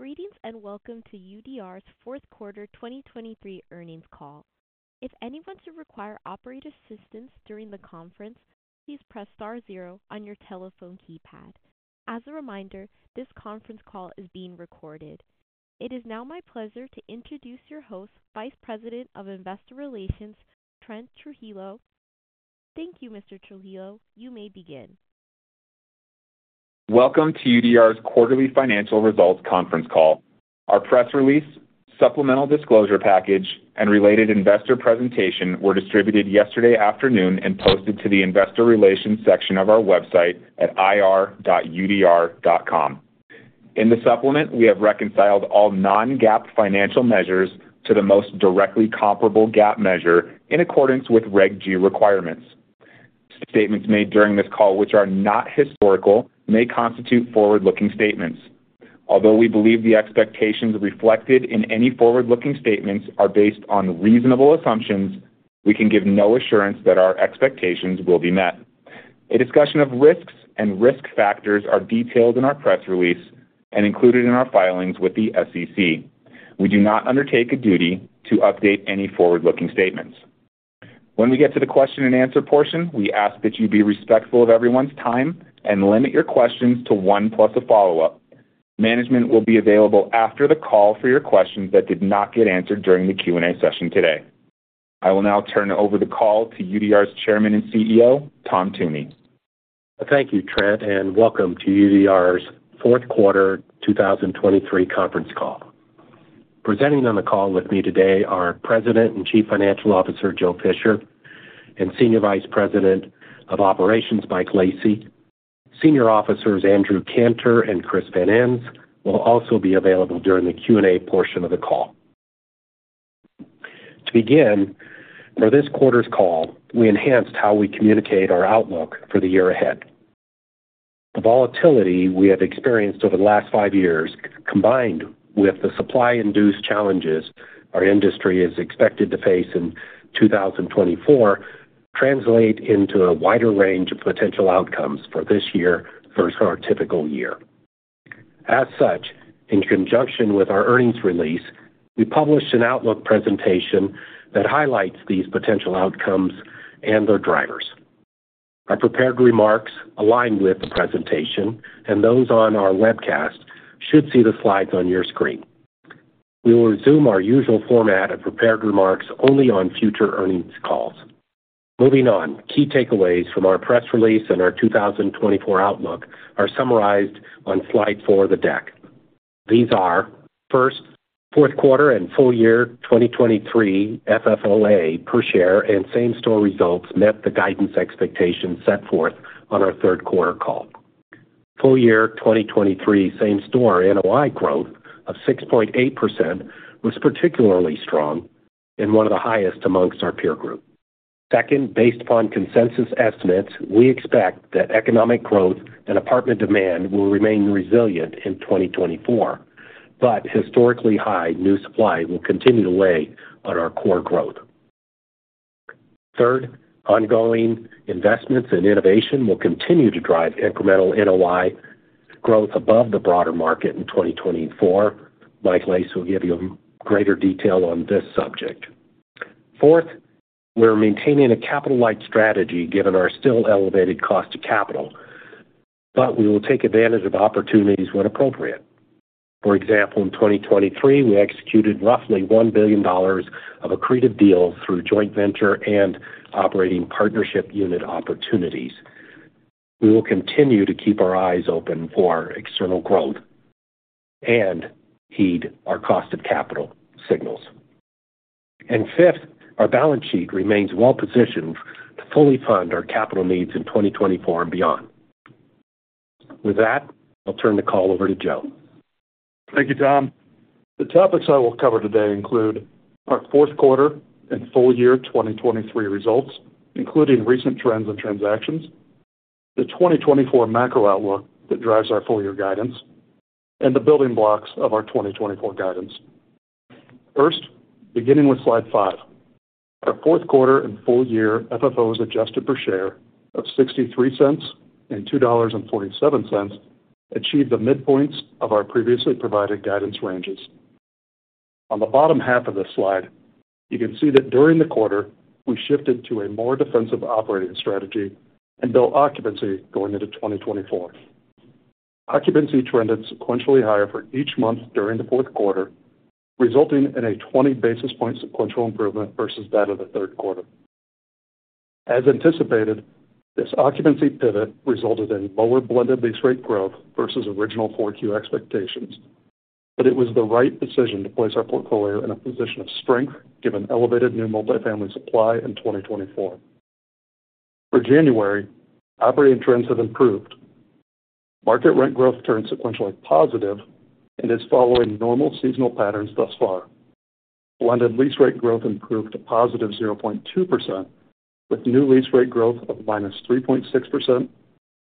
Greetings, and welcome to UDR's Fourth Quarter 2023 Earnings Call. If anyone should require operator assistance during the conference, please press star zero on your telephone keypad. As a reminder, this conference call is being recorded. It is now my pleasure to introduce your host, Vice President of Investor Relations, Trent Trujillo. Thank you, Mr. Trujillo. You may begin. Welcome to UDR's quarterly financial results conference call. Our press release, supplemental disclosure package, and related investor presentation were distributed yesterday afternoon and posted to the investor relations section of our website at ir.udr.com. In the supplement, we have reconciled all non-GAAP financial measures to the most directly comparable GAAP measure in accordance with Reg G requirements. Statements made during this call, which are not historical, may constitute forward-looking statements. Although we believe the expectations reflected in any forward-looking statements are based on reasonable assumptions, we can give no assurance that our expectations will be met. A discussion of risks and risk factors are detailed in our press release and included in our filings with the SEC. We do not undertake a duty to update any forward-looking statements. When we get to the question-and-answer portion, we ask that you be respectful of everyone's time and limit your questions to one plus a follow-up. Management will be available after the call for your questions that did not get answered during the Q&A session today. I will now turn over the call to UDR's Chairman and CEO, Tom Toomey. Thank you, Trent, and welcome to UDR's Fourth Quarter 2023 Conference Call. Presenting on the call with me today are President and Chief Financial Officer, Joe Fisher, and Senior Vice President of Operations, Mike Lacy. Senior Officers Andrew Cantor and Chris Van Ens will also be available during the Q&A portion of the call. To begin, for this quarter's call, we enhanced how we communicate our outlook for the year ahead. The volatility we have experienced over the last five years, combined with the supply-induced challenges our industry is expected to face in 2024, translate into a wider range of potential outcomes for this year versus our typical year. As such, in conjunction with our earnings release, we published an outlook presentation that highlights these potential outcomes and their drivers. Our prepared remarks align with the presentation, and those on our webcast should see the slides on your screen. We will resume our usual format of prepared remarks only on future earnings calls. Moving on, key takeaways from our press release and our 2024 outlook are summarized on slide 4 of the deck. These are, first, fourth quarter and full year 2023 FFOA per share and same-store results met the guidance expectations set forth on our third quarter call. Full year 2023 same-store NOI growth of 6.8% was particularly strong and one of the highest amongst our peer group. Second, based upon consensus estimates, we expect that economic growth and apartment demand will remain resilient in 2024, but historically high new supply will continue to weigh on our core growth. Third, ongoing investments and innovation will continue to drive incremental NOI growth above the broader market in 2024. Mike Lacy will give you greater detail on this subject. Fourth, we're maintaining a capital-light strategy, given our still elevated cost of capital, but we will take advantage of opportunities when appropriate. For example, in 2023, we executed roughly $1 billion of accretive deals through joint venture and operating partnership unit opportunities. We will continue to keep our eyes open for external growth and heed our cost of capital signals. And fifth, our balance sheet remains well positioned to fully fund our capital needs in 2024 and beyond. With that, I'll turn the call over to Joe. Thank you, Tom. The topics I will cover today include our fourth quarter and full year 2023 results, including recent trends and transactions, the 2024 macro outlook that drives our full year guidance, and the building blocks of our 2024 guidance. First, beginning with slide 5, our fourth quarter and full year FFOs, adjusted per share of $0.63 and $2.47, achieved the midpoints of our previously provided guidance ranges. On the bottom half of this slide, you can see that during the quarter, we shifted to a more defensive operating strategy and built occupancy going into 2024. Occupancy trended sequentially higher for each month during the fourth quarter, resulting in a 20 basis point sequential improvement versus that of the third quarter. As anticipated, this occupancy pivot resulted in lower blended lease rate growth versus original 4Q expectations, but it was the right decision to place our portfolio in a position of strength, given elevated new multifamily supply in 2024. For January, operating trends have improved. Market rent growth turned sequentially positive and is following normal seasonal patterns thus far. Blended lease rate growth improved to positive 0.2%, with new lease rate growth of minus 3.6%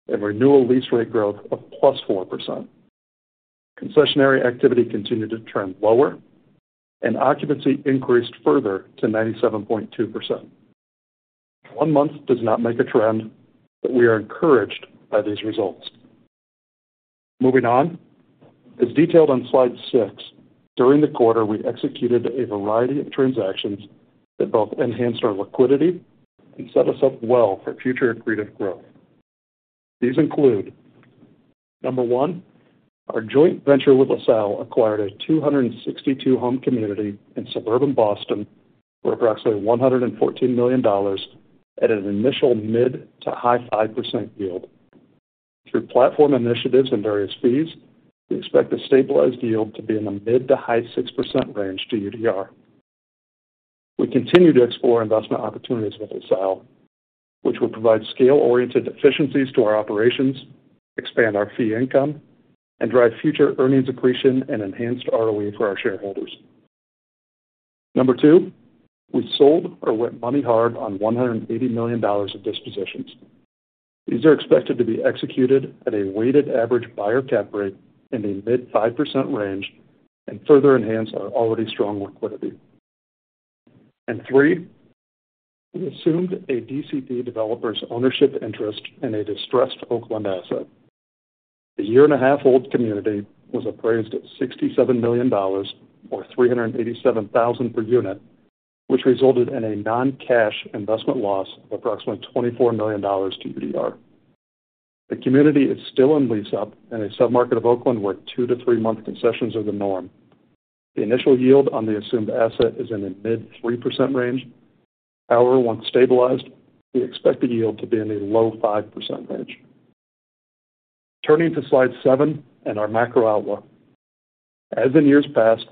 and renewal lease rate growth of plus 4%. Concessionary activity continued to trend lower, and occupancy increased further to 97.2%.... One month does not make a trend, but we are encouraged by these results. Moving on, as detailed on slide 6, during the quarter, we executed a variety of transactions that both enhanced our liquidity and set us up well for future accretive growth. These include, number 1, our joint venture with LaSalle acquired a 262-home community in suburban Boston for approximately $114 million at an initial mid- to high-5% yield. Through platform initiatives and various fees, we expect the stabilized yield to be in the mid- to high-6% range to UDR. We continue to explore investment opportunities with LaSalle, which will provide scale-oriented efficiencies to our operations, expand our fee income, and drive future earnings accretion and enhanced ROE for our shareholders. Number 2, we sold or went money hard on $180 million of dispositions. These are expected to be executed at a weighted average buyer Cap Rate in the mid-5% range and further enhance our already strong liquidity. And 3, we assumed a DCP developer's ownership interest in a distressed Oakland asset. The year-and-a-half-old community was appraised at $67 million, or $387,000 per unit, which resulted in a non-cash investment loss of approximately $24 million to UDR. The community is still in lease-up in a submarket of Oakland, where 2- to 3-month concessions are the norm. The initial yield on the assumed asset is in the mid-3% range. However, once stabilized, we expect the yield to be in the low-5% range. Turning to slide 7 and our macro outlook. As in years past,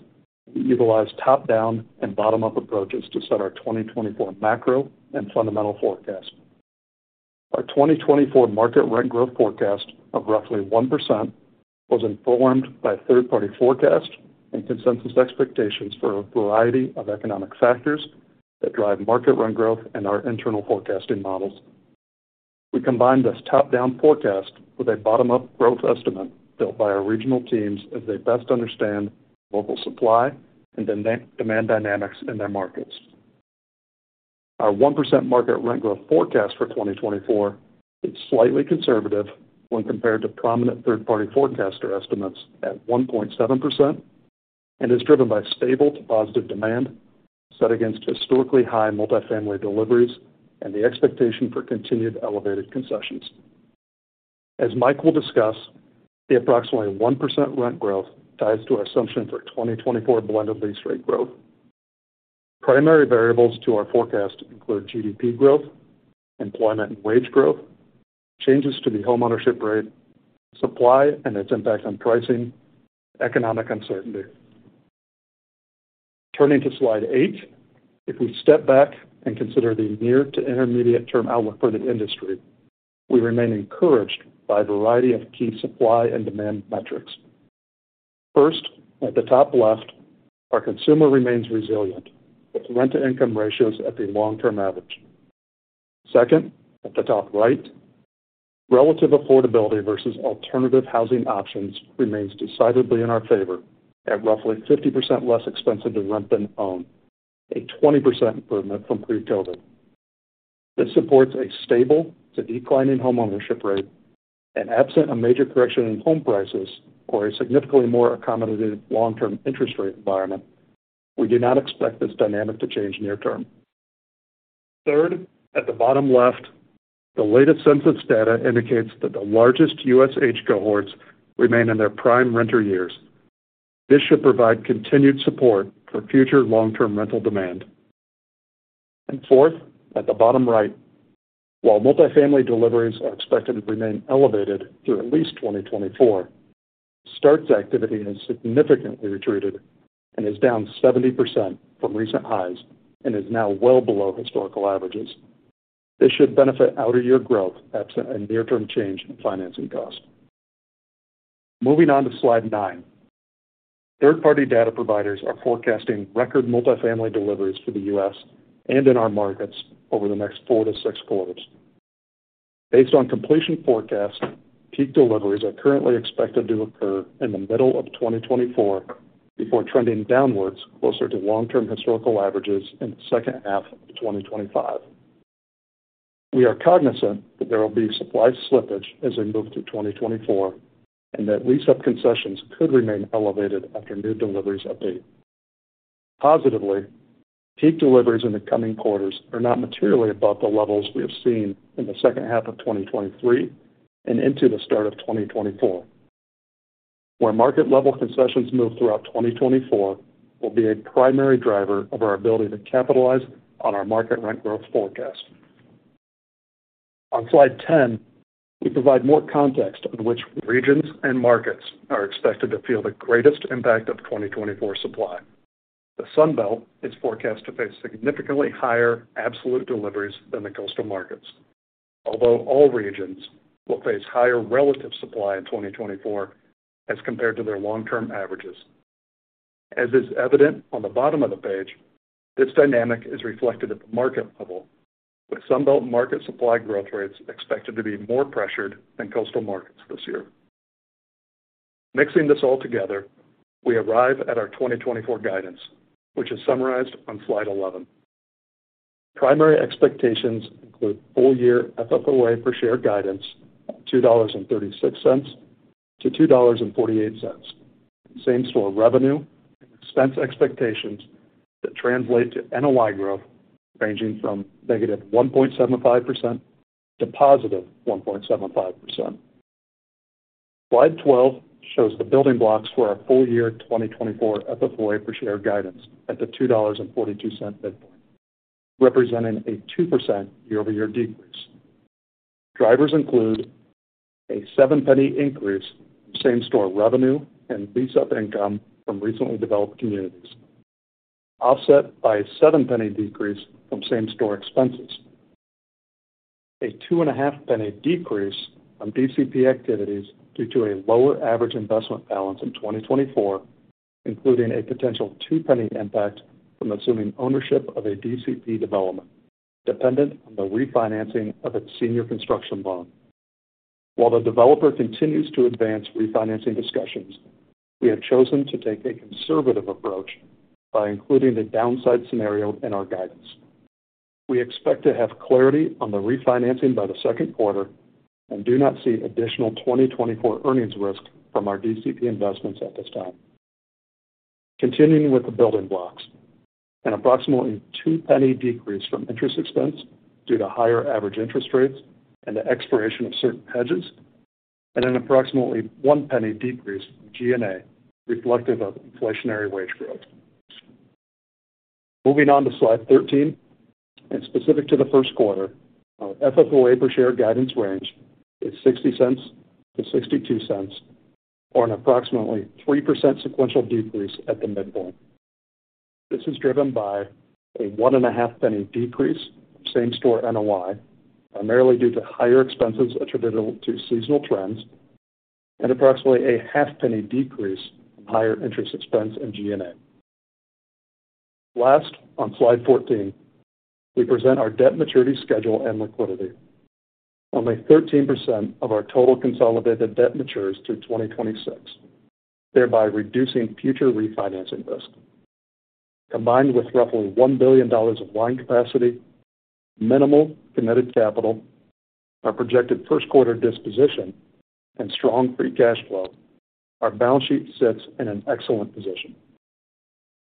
we utilize top-down and bottom-up approaches to set our 2024 macro and fundamental forecast. Our 2024 market rent growth forecast of roughly 1% was informed by third-party forecast and consensus expectations for a variety of economic factors that drive market rent growth and our internal forecasting models. We combined this top-down forecast with a bottom-up growth estimate built by our regional teams as they best understand local supply and demand, demand dynamics in their markets. Our 1% market rent growth forecast for 2024 is slightly conservative when compared to prominent third-party forecaster estimates at 1.7%, and is driven by stable to positive demand set against historically high multifamily deliveries and the expectation for continued elevated concessions. As Mike will discuss, the approximately 1% rent growth ties to our assumption for 2024 blended lease rate growth. Primary variables to our forecast include GDP growth, employment and wage growth, changes to the homeownership rate, supply and its impact on pricing, economic uncertainty. Turning to slide 8, if we step back and consider the near to intermediate term outlook for the industry, we remain encouraged by a variety of key supply and demand metrics. First, at the top left, our consumer remains resilient, with rent-to-income ratios at the long-term average. Second, at the top right, relative affordability versus alternative housing options remains decidedly in our favor at roughly 50% less expensive to rent than own, a 20% improvement from pre-COVID. This supports a stable to declining homeownership rate, and absent a major correction in home prices or a significantly more accommodative long-term interest rate environment, we do not expect this dynamic to change near term. Third, at the bottom left, the latest census data indicates that the largest U.S. age cohorts remain in their prime renter years. This should provide continued support for future long-term rental demand. Fourth, at the bottom right, while multifamily deliveries are expected to remain elevated through at least 2024, starts activity has significantly retreated and is down 70% from recent highs and is now well below historical averages. This should benefit year-over-year growth, absent a near-term change in financing costs. Moving on to Slide 9. Third-party data providers are forecasting record multifamily deliveries for the U.S. and in our markets over the next 4-6 quarters. Based on completion forecasts, peak deliveries are currently expected to occur in the middle of 2024, before trending downwards closer to long-term historical averages in the second half of 2025. We are cognizant that there will be supply slippage as we move to 2024, and that lease-up concessions could remain elevated after new deliveries update. Positively, peak deliveries in the coming quarters are not materially above the levels we have seen in the second half of 2023 and into the start of 2024. Where market-level concessions move throughout 2024 will be a primary driver of our ability to capitalize on our market rent growth forecast. On slide 10, we provide more context on which regions and markets are expected to feel the greatest impact of 2024 supply. The Sun Belt is forecast to face significantly higher absolute deliveries than the coastal markets, although all regions will face higher relative supply in 2024 as compared to their long-term averages. As is evident on the bottom of the page, this dynamic is reflected at the market level, with Sun Belt market supply growth rates expected to be more pressured than coastal markets this year.... Mixing this all together, we arrive at our 2024 guidance, which is summarized on slide 11. Primary expectations include full-year FFOA per share guidance, $2.36-$2.48. Same-store revenue and expense expectations that translate to NOI growth, ranging from -1.75% to +1.75%. Slide 12 shows the building blocks for our full-year 2024 FFOA per share guidance at the $2.42 midpoint, representing a 2% year-over-year decrease. Drivers include a 7-cent increase in same-store revenue and lease-up income from recently developed communities, offset by a 7-cent decrease from same-store expenses. A $0.025 decrease from DCP activities due to a lower average investment balance in 2024, including a potential $0.02 impact from assuming ownership of a DCP development, dependent on the refinancing of its senior construction loan. While the developer continues to advance refinancing discussions, we have chosen to take a conservative approach by including the downside scenario in our guidance. We expect to have clarity on the refinancing by the second quarter and do not see additional 2024 earnings risk from our DCP investments at this time. Continuing with the building blocks, an approximately $0.02 decrease from interest expense due to higher average interest rates and the expiration of certain hedges, and an approximately $0.01 decrease from G&A, reflective of inflationary wage growth. Moving on to slide 13, and specific to the first quarter, our FFOA per share guidance range is $0.60-$0.62, or an approximately 3% sequential decrease at the midpoint. This is driven by a $0.015 decrease in same-store NOI, primarily due to higher expenses attributable to seasonal trends, and approximately a $0.005 decrease from higher interest expense and G&A. Last, on slide 14, we present our debt maturity schedule and liquidity. Only 13% of our total consolidated debt matures through 2026, thereby reducing future refinancing risk. Combined with roughly $1 billion of line capacity, minimal committed capital, our projected first quarter disposition, and strong free cash flow, our balance sheet sits in an excellent position.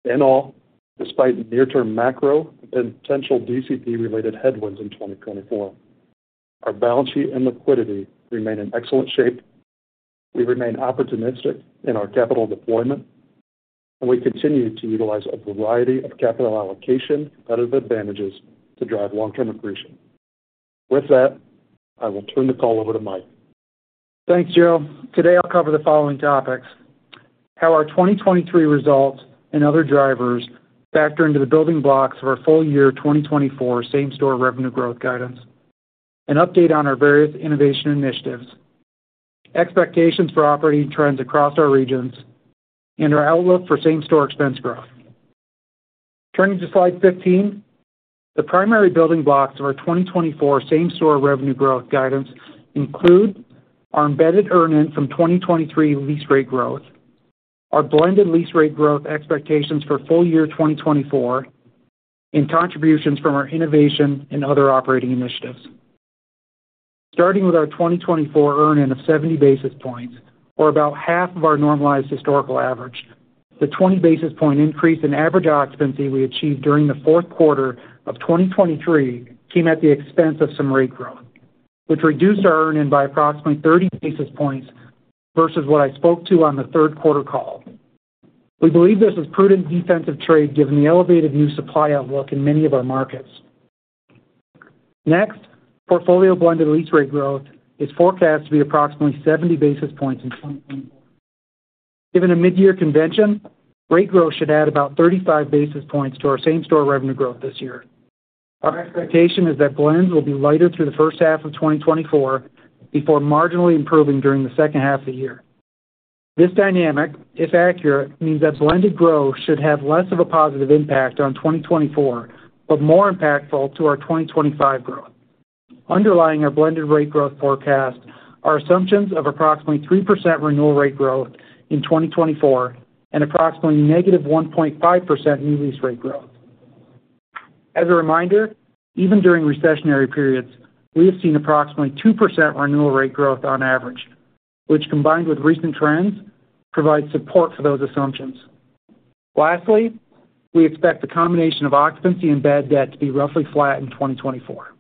In all, despite near-term macro and potential DCP-related headwinds in 2024, our balance sheet and liquidity remain in excellent shape. We remain opportunistic in our capital deployment, and we continue to utilize a variety of capital allocation competitive advantages to drive long-term accretion. With that, I will turn the call over to Mike. Thanks, Joe. Today, I'll cover the following topics: How our 2023 results and other drivers factor into the building blocks of our full year 2024 same-store revenue growth guidance, an update on our various innovation initiatives, expectations for operating trends across our regions, and our outlook for same-store expense growth. Turning to slide 15, the primary building blocks of our 2024 same-store revenue growth guidance include our embedded earn-in from 2023 lease rate growth, our blended lease rate growth expectations for full year 2024, and contributions from our innovation and other operating initiatives. Starting with our 2024 earn-in of 70 basis points, or about half of our normalized historical average, the 20 basis point increase in average occupancy we achieved during the fourth quarter of 2023 came at the expense of some rate growth, which reduced our earn-in by approximately 30 basis points versus what I spoke to on the third quarter call. We believe this is a prudent defensive trade, given the elevated new supply outlook in many of our markets. Next, portfolio blended lease rate growth is forecast to be approximately 70 basis points in 2024. Given a mid-year convention, rate growth should add about 35 basis points to our same-store revenue growth this year. Our expectation is that blends will be lighter through the first half of 2024, before marginally improving during the second half of the year. This dynamic, if accurate, means that blended growth should have less of a positive impact on 2024, but more impactful to our 2025 growth. Underlying our blended rate growth forecast are assumptions of approximately 3% renewal rate growth in 2024 and approximately -1.5% new lease rate growth. As a reminder, even during recessionary periods, we have seen approximately 2% renewal rate growth on average, which, combined with recent trends, provides support for those assumptions. Lastly, we expect the combination of occupancy and bad debt to be roughly flat in 2024.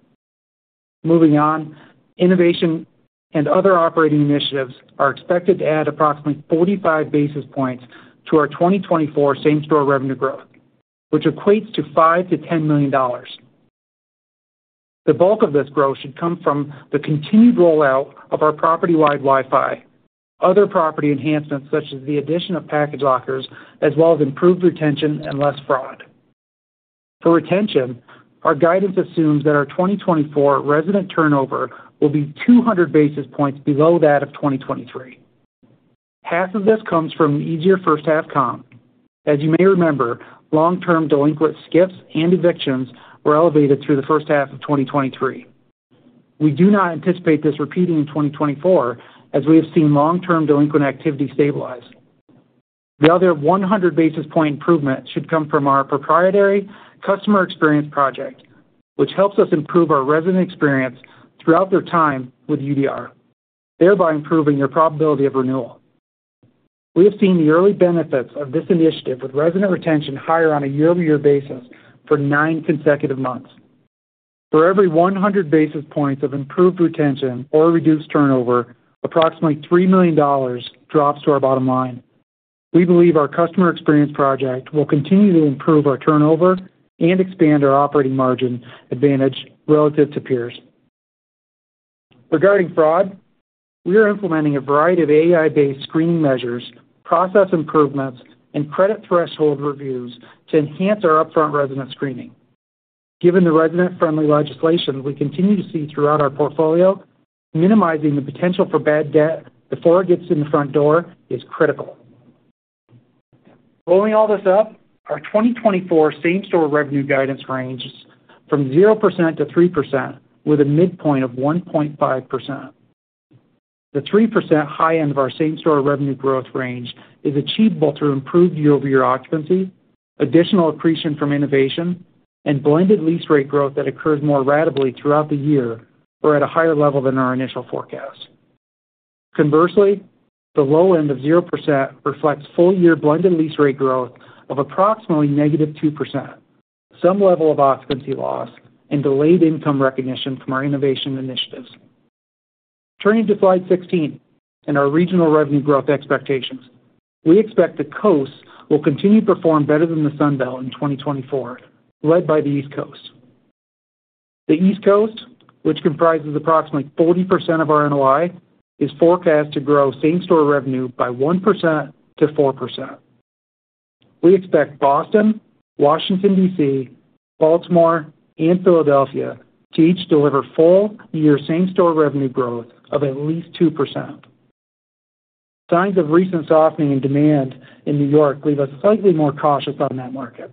Moving on, innovation and other operating initiatives are expected to add approximately 45 basis points to our 2024 same-store revenue growth, which equates to $5 million-$10 million. The bulk of this growth should come from the continued rollout of our property-wide Wi-Fi, other property enhancements, such as the addition of package lockers, as well as improved retention and less fraud. For retention, our guidance assumes that our 2024 resident turnover will be 200 basis points below that of 2023. Half of this comes from easier first half comp. As you may remember, long-term delinquent skips and evictions were elevated through the first half of 2023. We do not anticipate this repeating in 2024, as we have seen long-term delinquent activity stabilize. The other 100 basis point improvement should come from our proprietary Customer Experience project, which helps us improve our resident experience throughout their time with UDR, thereby improving their probability of renewal. We have seen the early benefits of this initiative, with resident retention higher on a year-over-year basis for nine consecutive months. For every 100 basis points of improved retention or reduced turnover, approximately $3 million drops to our bottom line. We believe our Customer Experience project will continue to improve our turnover and expand our operating margin advantage relative to peers. Regarding fraud, we are implementing a variety of AI-based screening measures, process improvements, and credit threshold reviews to enhance our upfront resident screening. Given the resident-friendly legislation we continue to see throughout our portfolio, minimizing the potential for bad debt before it gets in the front door is critical. Rolling all this up, our 2024 same-store revenue guidance range is from 0% to 3%, with a midpoint of 1.5%. The 3% high end of our same-store revenue growth range is achievable through improved year-over-year occupancy, additional accretion from innovation, and blended lease rate growth that occurs more ratably throughout the year or at a higher level than our initial forecast. Conversely, the low end of 0% reflects full-year blended lease rate growth of approximately -2%, some level of occupancy loss, and delayed income recognition from our innovation initiatives. Turning to slide 16 and our regional revenue growth expectations. We expect the Coast will continue to perform better than the Sun Belt in 2024, led by the East Coast. The East Coast, which comprises approximately 40% of our NOI, is forecast to grow same-store revenue by 1%-4%. We expect Boston, Washington, D.C., Baltimore, and Philadelphia to each deliver full-year same-store revenue growth of at least 2%. Signs of recent softening in demand in New York leave us slightly more cautious on that market.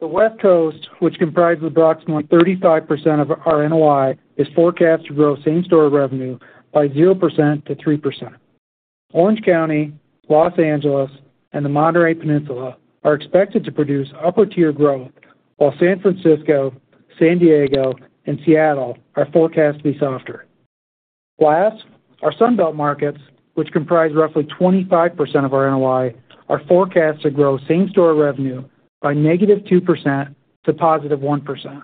The West Coast, which comprises approximately 35% of our NOI, is forecast to grow same-store revenue by 0%-3%. Orange County, Los Angeles, and the Monterey Peninsula are expected to produce upper-tier growth, while San Francisco, San Diego, and Seattle are forecast to be softer. Last, our Sun Belt markets, which comprise roughly 25% of our NOI, are forecast to grow same-store revenue by -2% to +1%.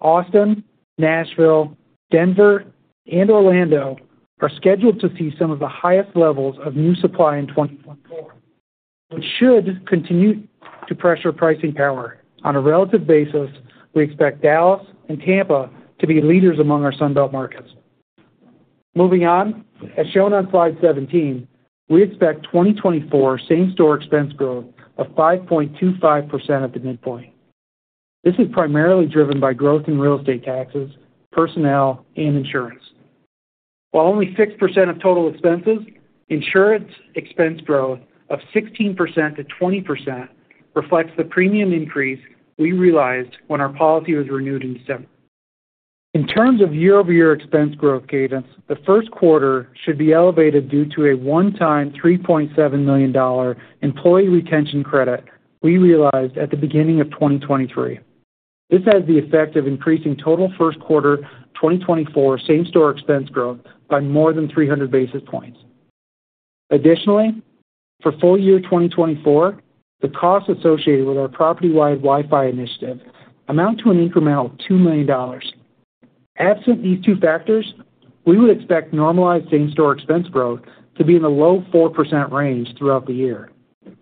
Austin, Nashville, Denver, and Orlando are scheduled to see some of the highest levels of new supply in 2024, which should continue to pressure pricing power. On a relative basis, we expect Dallas and Tampa to be leaders among our Sun Belt markets. Moving on, as shown on slide 17, we expect 2024 same-store expense growth of 5.25% at the midpoint. This is primarily driven by growth in real estate taxes, personnel, and insurance. While only 6% of total expenses, insurance expense growth of 16%-20% reflects the premium increase we realized when our policy was renewed in December. In terms of year-over-year expense growth cadence, the first quarter should be elevated due to a one-time $3.7 million employee retention credit we realized at the beginning of 2023. This has the effect of increasing total first quarter 2024 same-store expense growth by more than 300 basis points. Additionally, for full year 2024, the costs associated with our property-wide Wi-Fi initiative amount to an incremental $2 million. Absent these two factors, we would expect normalized same-store expense growth to be in the low 4% range throughout the year,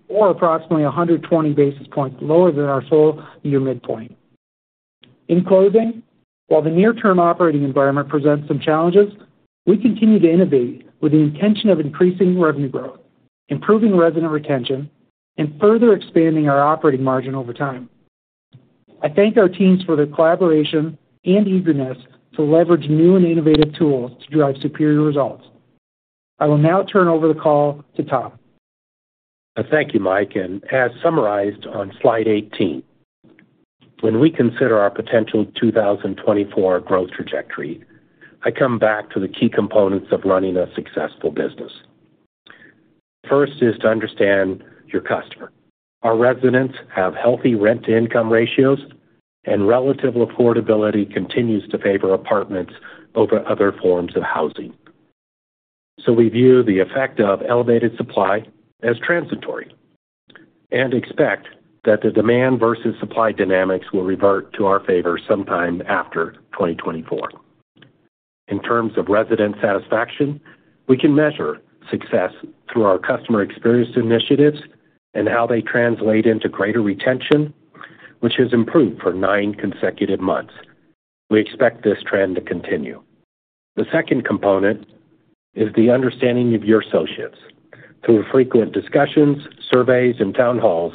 or approximately 100 basis points lower than our full-year midpoint. In closing, while the near-term operating environment presents some challenges, we continue to innovate with the intention of increasing revenue growth, improving resident retention, and further expanding our operating margin over time. I thank our teams for their collaboration and eagerness to leverage new and innovative tools to drive superior results. I will now turn over the call to Tom. Thank you, Mike, and as summarized on slide 18, when we consider our potential 2024 growth trajectory, I come back to the key components of running a successful business. First is to understand your customer. Our residents have healthy rent-to-income ratios, and relative affordability continues to favor apartments over other forms of housing. So we view the effect of elevated supply as transitory and expect that the demand versus supply dynamics will revert to our favor sometime after 2024. In terms of resident satisfaction, we can measure success through our customer experience initiatives and how they translate into greater retention, which has improved for 9 consecutive months. We expect this trend to continue. The second component is the understanding of your associates. Through frequent discussions, surveys, and town halls,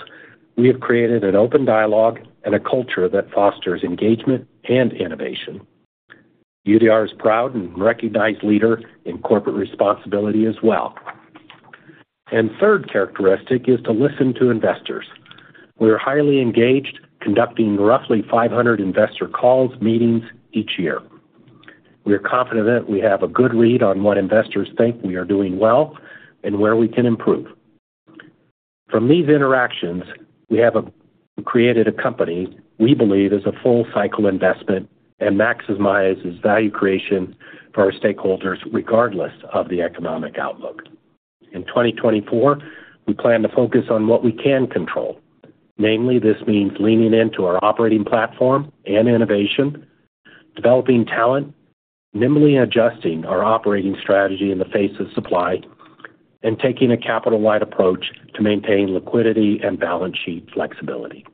we have created an open dialogue and a culture that fosters engagement and innovation. UDR is a proud and recognized leader in corporate responsibility as well. Third characteristic is to listen to investors. We are highly engaged, conducting roughly 500 investor calls, meetings each year. We are confident that we have created a company we believe is a full cycle investment and maximizes value creation for our stakeholders, regardless of the economic outlook. In 2024, we plan to focus on what we can control. Namely, this means leaning into our operating platform and innovation, developing talent, nimbly adjusting our operating strategy in the face of supply, and taking a capital-light approach to maintain liquidity and balance sheet flexibility.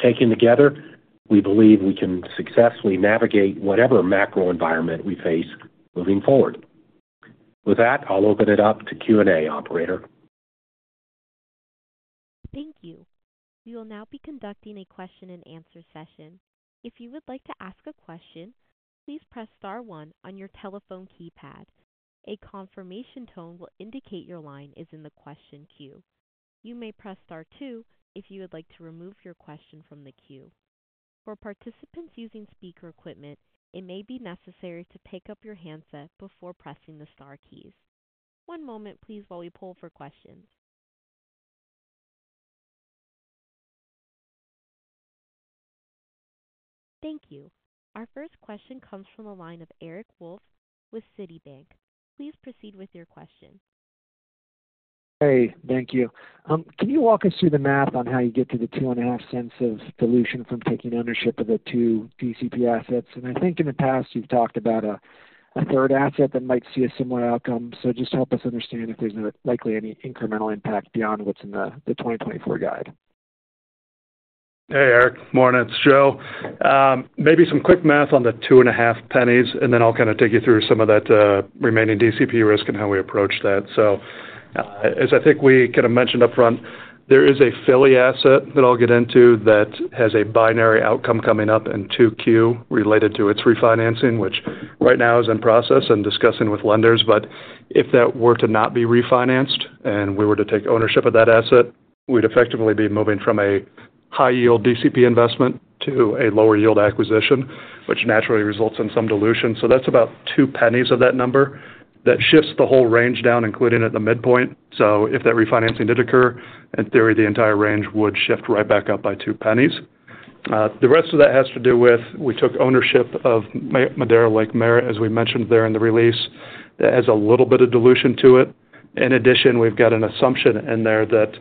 Taken together, we believe we can successfully navigate whatever macro environment we face moving forward. With that, I'll open it up to Q&A, operator. Thank you. We will now be conducting a question-and-answer session. If you would like to ask a question, please press star one on your telephone keypad. A confirmation tone will indicate your line is in the question queue. You may press star two if you would like to remove your question from the queue. For participants using speaker equipment, it may be necessary to pick up your handset before pressing the star keys. One moment, please, while we poll for questions. Thank you. Our first question comes from the line of Eric Wolfe with Citibank. Please proceed with your question. Hey, thank you. Can you walk us through the math on how you get to the $0.025 of dilution from taking ownership of the two DCP assets? And I think in the past, you've talked about a third asset that might see a similar outcome. So just help us understand if there's likely any incremental impact beyond what's in the 2024 guide. Hey, Eric. Morning, it's Joe. Maybe some quick math on the 2.5 pennies, and then I'll kind of take you through some of that remaining DCP risk and how we approach that. So, as I think we kind of mentioned upfront, there is a Philly asset that I'll get into that has a binary outcome coming up in 2Q related to its refinancing, which right now is in process and discussing with lenders. But if that were to not be refinanced and we were to take ownership of that asset, we'd effectively be moving from a high yield DCP investment to a lower yield acquisition, which naturally results in some dilution. So that's about $0.02 of that number. That shifts the whole range down, including at the midpoint. So if that refinancing did occur, in theory, the entire range would shift right back up by $0.02. The rest of that has to do with, we took ownership of Modera Lake Merritt, as we mentioned there in the release. That has a little bit of dilution to it. In addition, we've got an assumption in there that,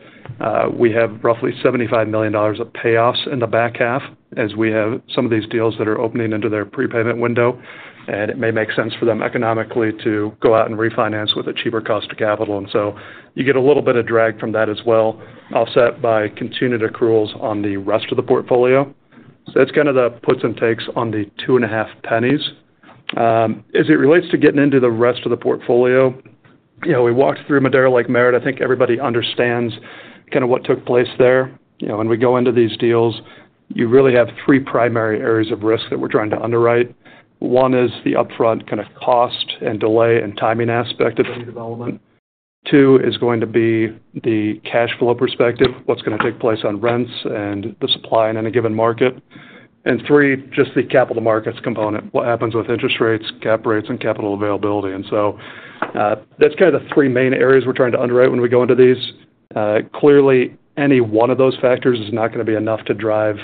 we have roughly $75 million of payoffs in the back half as we have some of these deals that are opening into their prepayment window, and it may make sense for them economically to go out and refinance with a cheaper cost of capital. And so you get a little bit of drag from that as well, offset by continued accruals on the rest of the portfolio. So that's kind of the puts and takes on the $0.025. As it relates to getting into the rest of the portfolio, you know, we walked through Modera Lake Merritt. I think everybody understands kind of what took place there. You know, when we go into these deals, you really have three primary areas of risk that we're trying to underwrite. One is the upfront kind of cost and delay and timing aspect of any development. Two is going to be the cash flow perspective, what's going to take place on rents and the supply in any given market. And three, just the capital markets component, what happens with interest rates, cap rates, and capital availability. And so, that's kind of the three main areas we're trying to underwrite when we go into these. Clearly, any one of those factors is not going to be enough to drive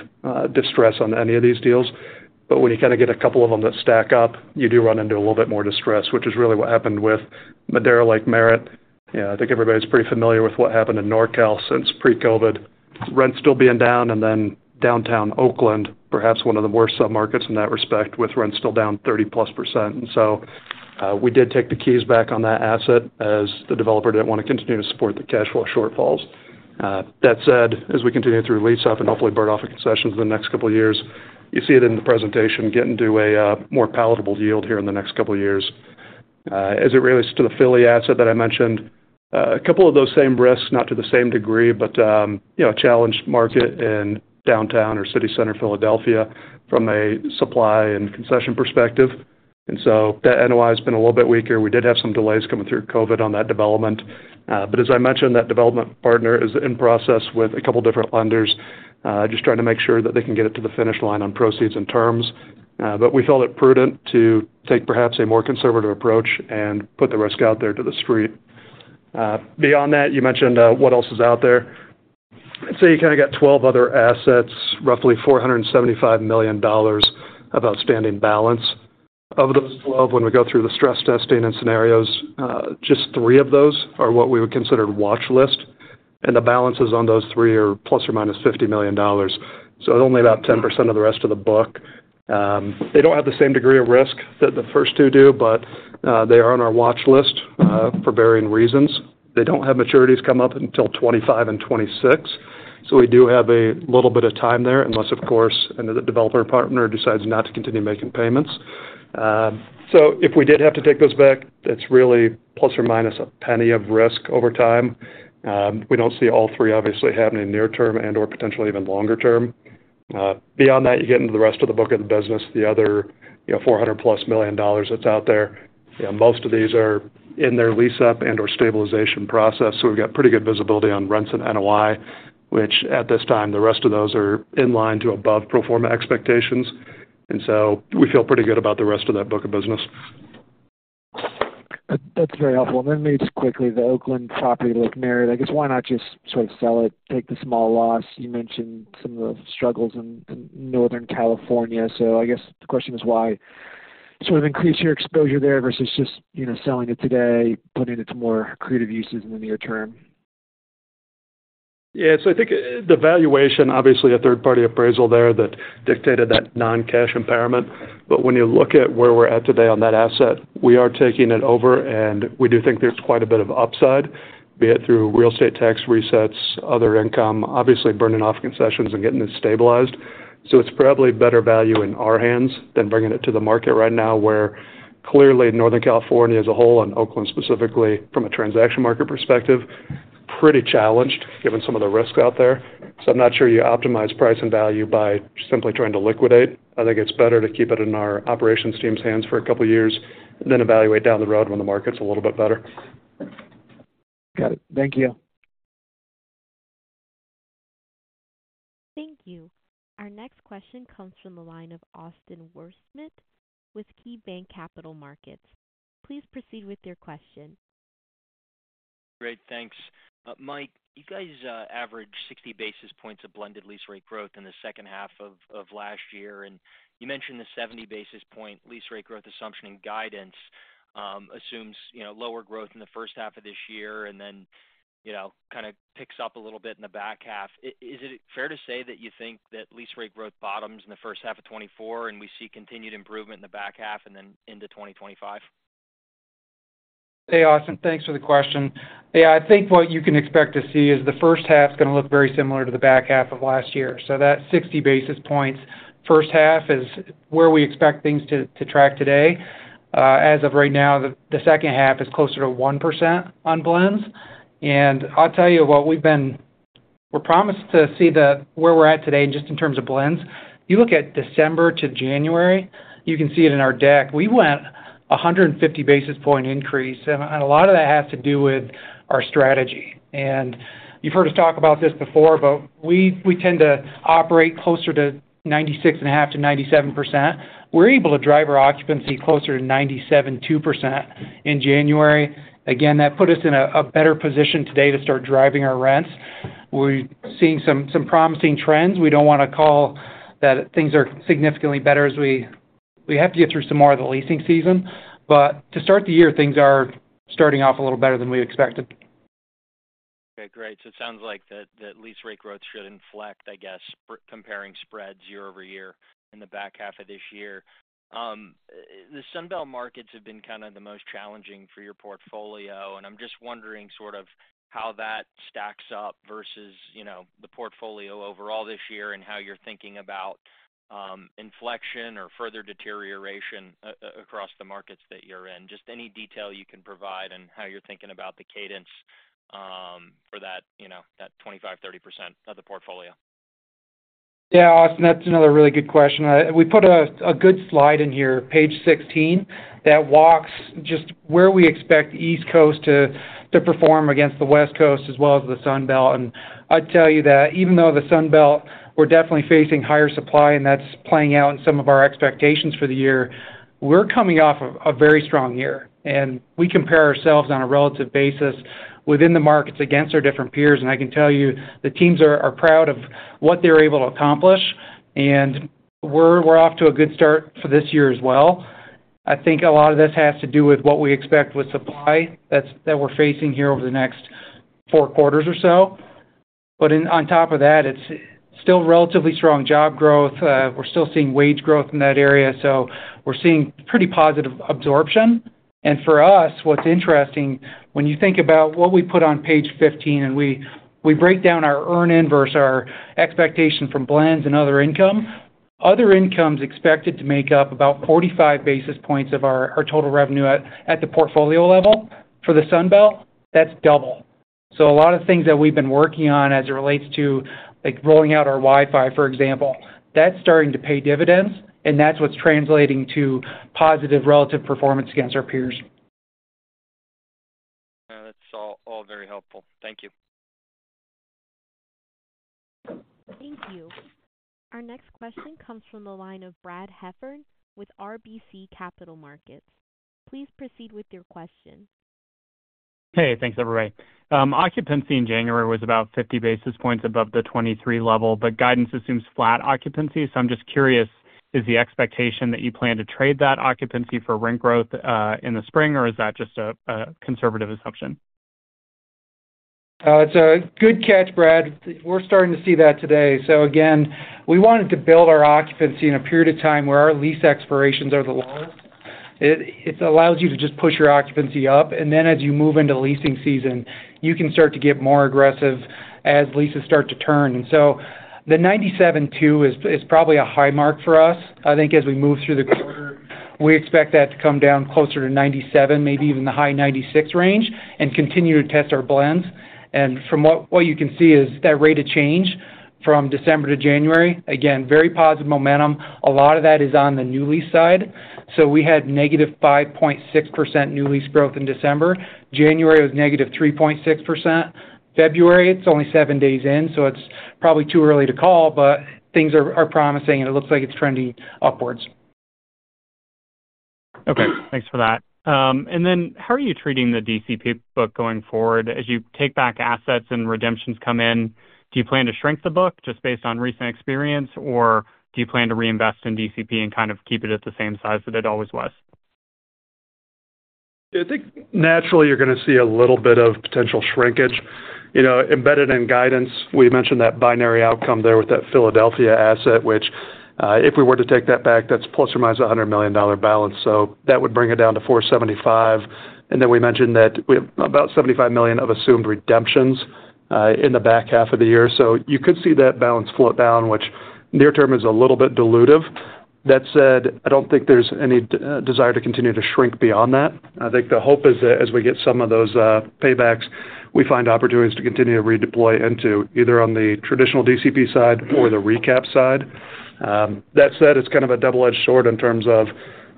distress on any of these deals, but when you kind of get a couple of them that stack up, you do run into a little bit more distress, which is really what happened with Modera Lake Merritt. Yeah, I think everybody's pretty familiar with what happened in Nor Cal since pre-COVID. Rents still being down, and then downtown Oakland, perhaps one of the worst submarkets in that respect, with rents still down 30%+. And so, we did take the keys back on that asset as the developer didn't want to continue to support the cash flow shortfalls. That said, as we continue to lease up and hopefully burn off a concession in the next couple of years, you see it in the presentation, getting to a more palatable yield here in the next couple of years. As it relates to the Philly asset that I mentioned, a couple of those same risks, not to the same degree, but, you know, a challenged market in downtown or city center Philadelphia from a supply and concession perspective. And so that NOI has been a little bit weaker. We did have some delays coming through COVID on that development. But as I mentioned, that development partner is in process with a couple different lenders, just trying to make sure that they can get it to the finish line on proceeds and terms. But we felt it prudent to take perhaps a more conservative approach and put the risk out there to the street. Beyond that, you mentioned, what else is out there. I'd say you kind of got 12 other assets, roughly $475 million of outstanding balance. Of those 12, when we go through the stress testing and scenarios, just three of those are what we would consider watch list, and the balances on those three are ±$50 million. So only about 10% of the rest of the book. They don't have the same degree of risk that the first two do, but, they are on our watch list, for varying reasons. They don't have maturities come up until 25 and 26, so we do have a little bit of time there, unless, of course, another developer partner decides not to continue making payments. So if we did have to take those back, that's really plus or minus a penny of risk over time. We don't see all three obviously happening near term and/or potentially even longer term. Beyond that, you get into the rest of the book of the business, the other, you know, $400+ million that's out there. You know, most of these are in their lease-up and or stabilization process, so we've got pretty good visibility on rents and NOI, which at this time, the rest of those are in line to above pro forma expectations. And so we feel pretty good about the rest of that book of business. That's very helpful. And then maybe just quickly, the Oakland property, Lake Merritt, I guess, why not just sort of sell it, take the small loss? You mentioned some of the struggles in Northern California. So I guess the question is why sort of increase your exposure there versus just, you know, selling it today, putting it to more creative uses in the near term? Yeah. So I think the valuation, obviously a third-party appraisal there that dictated that non-cash impairment. But when you look at where we're at today on that asset, we are taking it over, and we do think there's quite a bit of upside, be it through real estate tax resets, other income, obviously burning off concessions and getting it stabilized. So it's probably better value in our hands than bringing it to the market right now, where clearly Northern California as a whole, and Oakland specifically from a transaction market perspective, pretty challenged, given some of the risk out there. So I'm not sure you optimize price and value by simply trying to liquidate. I think it's better to keep it in our operations team's hands for a couple of years and then evaluate down the road when the market's a little bit better. Got it. Thank you. Thank you. Our next question comes from the line of Austin Wurschmidt with KeyBanc Capital Markets. Please proceed with your question. Great, thanks. Mike, you guys averaged 60 basis points of blended lease rate growth in the second half of last year, and you mentioned the 70 basis point lease rate growth assumption and guidance assumes, you know, lower growth in the first half of this year and then, you know, kind of picks up a little bit in the back half. Is it fair to say that you think that lease rate growth bottoms in the first half of 2024, and we see continued improvement in the back half and then into 2025? Hey, Austin, thanks for the question. Yeah, I think what you can expect to see is the first half is going to look very similar to the back half of last year. So that 60 basis points first half is where we expect things to track today. As of right now, the second half is closer to 1% on blends. And I'll tell you what we've been—we're promised to see the—where we're at today, just in terms of blends. You look at December to January, you can see it in our deck. We went 150 basis point increase, and a lot of that has to do with our strategy. And you've heard us talk about this before, but we tend to operate closer to 96.5%-97%. We're able to drive our occupancy closer to 97.2% in January. Again, that put us in a better position today to start driving our rents. We're seeing some promising trends. We don't want to call that things are significantly better as we have to get through some more of the leasing season, but to start the year, things are starting off a little better than we expected. Okay, great. So it sounds like the, the lease rate growth should inflect, I guess, for comparing spreads year-over-year in the back half of this year. The Sun Belt markets have been kind of the most challenging for your portfolio, and I'm just wondering sort of how that stacks up versus, you know, the portfolio overall this year and how you're thinking about, inflection or further deterioration across the markets that you're in. Just any detail you can provide and how you're thinking about the cadence, for that, you know, that 25%-30% of the portfolio. Yeah, Austin, that's another really good question. We put a good slide in here, page 16, that walks just where we expect the East Coast to perform against the West Coast as well as the Sun Belt. And I'd tell you that even though the Sun Belt, we're definitely facing higher supply, and that's playing out in some of our expectations for the year, we're coming off of a very strong year, and we compare ourselves on a relative basis within the markets against our different peers. And I can tell you, the teams are proud of what they're able to accomplish, and we're off to a good start for this year as well. I think a lot of this has to do with what we expect with supply that we're facing here over the next four quarters or so. But on top of that, it's still relatively strong job growth. We're still seeing wage growth in that area, so we're seeing pretty positive absorption. And for us, what's interesting, when you think about what we put on page 15, and we, we break down our earn-in, our expectation from blends and other income. Other income is expected to make up about 45 basis points of our, our total revenue at, at the portfolio level. For the Sun Belt, that's double. So a lot of things that we've been working on as it relates to, like, rolling out our Wi-Fi, for example, that's starting to pay dividends, and that's what's translating to positive relative performance against our peers. That's all, all very helpful. Thank you. Thank you. Our next question comes from the line of Brad Heffern with RBC Capital Markets. Please proceed with your question. Hey, thanks, everybody. Occupancy in January was about 50 basis points above the 2023 level, but guidance assumes flat occupancy. So I'm just curious, is the expectation that you plan to trade that occupancy for rent growth in the spring, or is that just a conservative assumption? It's a good catch, Brad. We're starting to see that today. So again, we wanted to build our occupancy in a period of time where our lease expirations are the lowest. It allows you to just push your occupancy up, and then as you move into leasing season, you can start to get more aggressive as leases start to turn. So the 97.2 is probably a high mark for us. I think as we move through the quarter... We expect that to come down closer to 97, maybe even the high 96 range, and continue to test our blends. And from what you can see is that rate of change from December to January, again, very positive momentum. A lot of that is on the new lease side. So we had -5.6% new lease growth in December. January was negative 3.6%. February, it's only 7 days in, so it's probably too early to call, but things are promising, and it looks like it's trending upwards. Okay, thanks for that. And then how are you treating the DCP book going forward? As you take back assets and redemptions come in, do you plan to shrink the book just based on recent experience, or do you plan to reinvest in DCP and kind of keep it at the same size that it always was? I think naturally you're gonna see a little bit of potential shrinkage. You know, embedded in guidance, we mentioned that binary outcome there with that Philadelphia asset, which, if we were to take that back, that's ±$100 million balance. So that would bring it down to $475 million. And then we mentioned that we have about $75 million of assumed redemptions in the back half of the year. So you could see that balance fall down, which near term is a little bit dilutive. That said, I don't think there's any desire to continue to shrink beyond that. I think the hope is that as we get some of those paybacks, we find opportunities to continue to redeploy into either on the traditional DCP side or the recap side. That said, it's kind of a double-edged sword in terms of,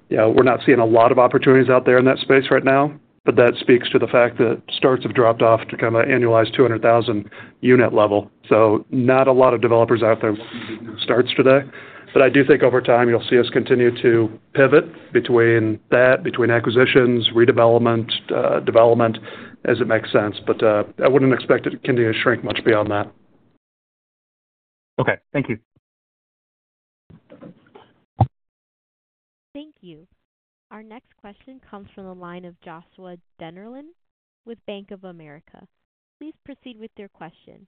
you know, we're not seeing a lot of opportunities out there in that space right now, but that speaks to the fact that starts have dropped off to kind of an annualized 200,000-unit level. So not a lot of developers out there starts today. But I do think over time, you'll see us continue to pivot between that, between acquisitions, redevelopment, development, as it makes sense. But I wouldn't expect it to continue to shrink much beyond that. Okay, thank you. Thank you. Our next question comes from the line of Joshua Dennerlein with Bank of America. Please proceed with your question.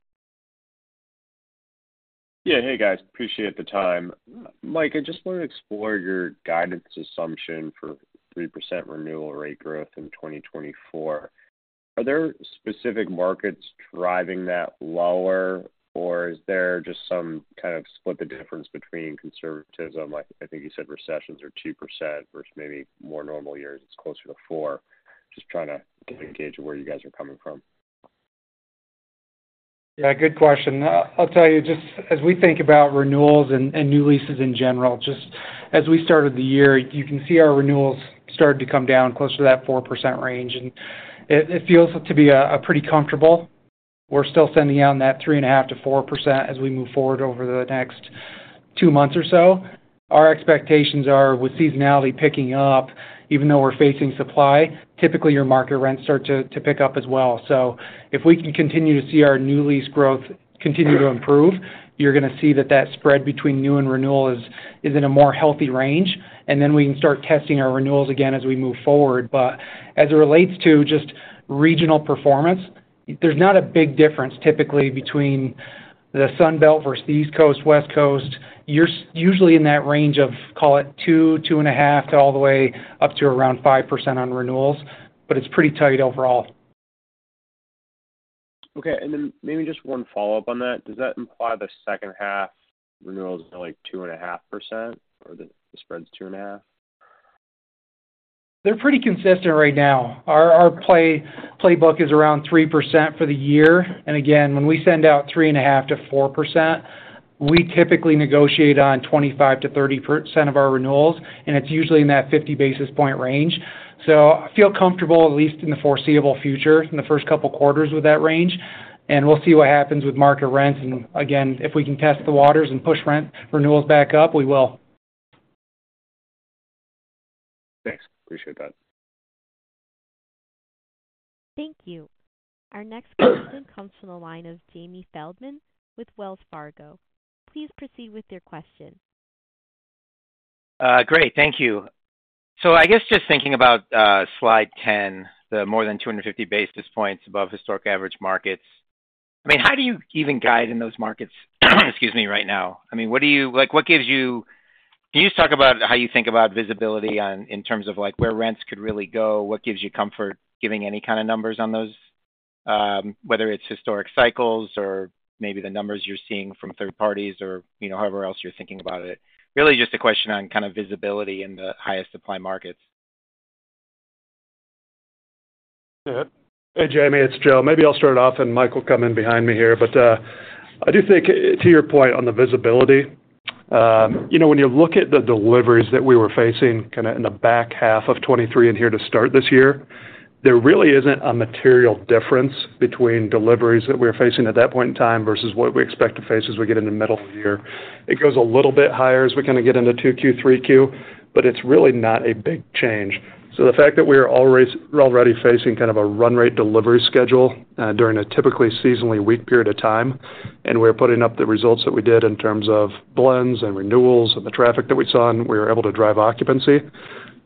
Yeah. Hey, guys, appreciate the time. Mike, I just want to explore your guidance assumption for 3% renewal rate growth in 2024. Are there specific markets driving that lower, or is there just some kind of split the difference between conservatism? Like, I think you said, recessions are 2% versus maybe more normal years, it's closer to 4. Just trying to get a gauge of where you guys are coming from. Yeah, good question. I'll tell you, just as we think about renewals and new leases in general, just as we started the year, you can see our renewals started to come down closer to that 4% range, and it feels to be pretty comfortable. We're still sending out on that 3.5%-4% as we move forward over the next two months or so. Our expectations are with seasonality picking up, even though we're facing supply, typically, your market rents start to pick up as well. So if we can continue to see our new lease growth continue to improve, you're gonna see that spread between new and renewal is in a more healthy range, and then we can start testing our renewals again as we move forward. But as it relates to just regional performance, there's not a big difference typically between the Sun Belt versus the East Coast, West Coast. You're usually in that range of, call it 2, 2.5, to all the way up to around 5% on renewals, but it's pretty tight overall. Okay, and then maybe just one follow-up on that. Does that imply the second half renewals are like 2.5%, or the spread is 2.5? They're pretty consistent right now. Our playbook is around 3% for the year. And again, when we send out 3.5%-4%, we typically negotiate on 25%-30% of our renewals, and it's usually in that 50 basis points range. So I feel comfortable, at least in the foreseeable future, in the first couple of quarters with that range, and we'll see what happens with market rents. And again, if we can test the waters and push rent renewals back up, we will. Thanks. Appreciate that. Thank you. Our next question comes from the line of Jamie Feldman with Wells Fargo. Please proceed with your question. Great. Thank you. So I guess just thinking about slide 10, the more than 250 basis points above historic average markets. I mean, how do you even guide in those markets, excuse me, right now? I mean, what do you-- like, what gives you... Can you just talk about how you think about visibility on, in terms of like, where rents could really go? What gives you comfort giving any kind of numbers on those? Whether it's historic cycles or maybe the numbers you're seeing from third parties or, you know, however else you're thinking about it. Really just a question on kind of visibility in the highest supply markets. Hey, Jamie, it's Joe. Maybe I'll start off, and Mike will come in behind me here. But I do think to your point on the visibility, you know, when you look at the deliveries that we were facing kind of in the back half of 2023 and here to start this year, there really isn't a material difference between deliveries that we're facing at that point in time versus what we expect to face as we get in the middle of the year. It goes a little bit higher as we kind of get into 2Q, 3Q, but it's really not a big change. So the fact that we are already facing kind of a run rate delivery schedule, during a typically seasonally weak period of time, and we're putting up the results that we did in terms of blends and renewals and the traffic that we saw, and we were able to drive occupancy.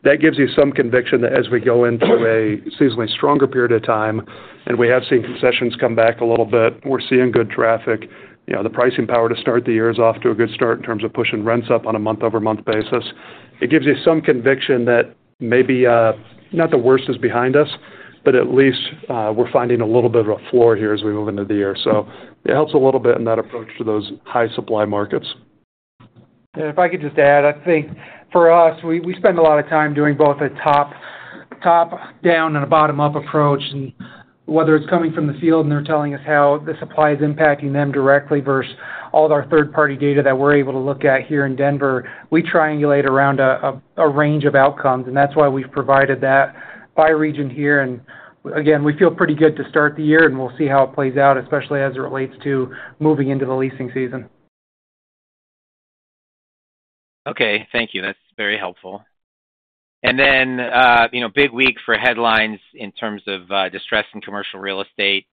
That gives you some conviction that as we go into a seasonally stronger period of time, and we have seen concessions come back a little bit, we're seeing good traffic, you know, the pricing power to start the years off to a good start in terms of pushing rents up on a month-over-month basis. It gives you some conviction that maybe, not the worst is behind us, but at least, we're finding a little bit of a floor here as we move into the year. It helps a little bit in that approach to those high supply markets. If I could just add, I think for us, we spend a lot of time doing both a top-down and a bottom-up approach, and whether it's coming from the field, and they're telling us how the supply is impacting them directly versus all of our third-party data that we're able to look at here in Denver, we triangulate around a range of outcomes, and that's why we've provided that by region here. Again, we feel pretty good to start the year, and we'll see how it plays out, especially as it relates to moving into the leasing season. Okay, thank you. That's very helpful. And then, you know, big week for headlines in terms of distress in commercial real estate,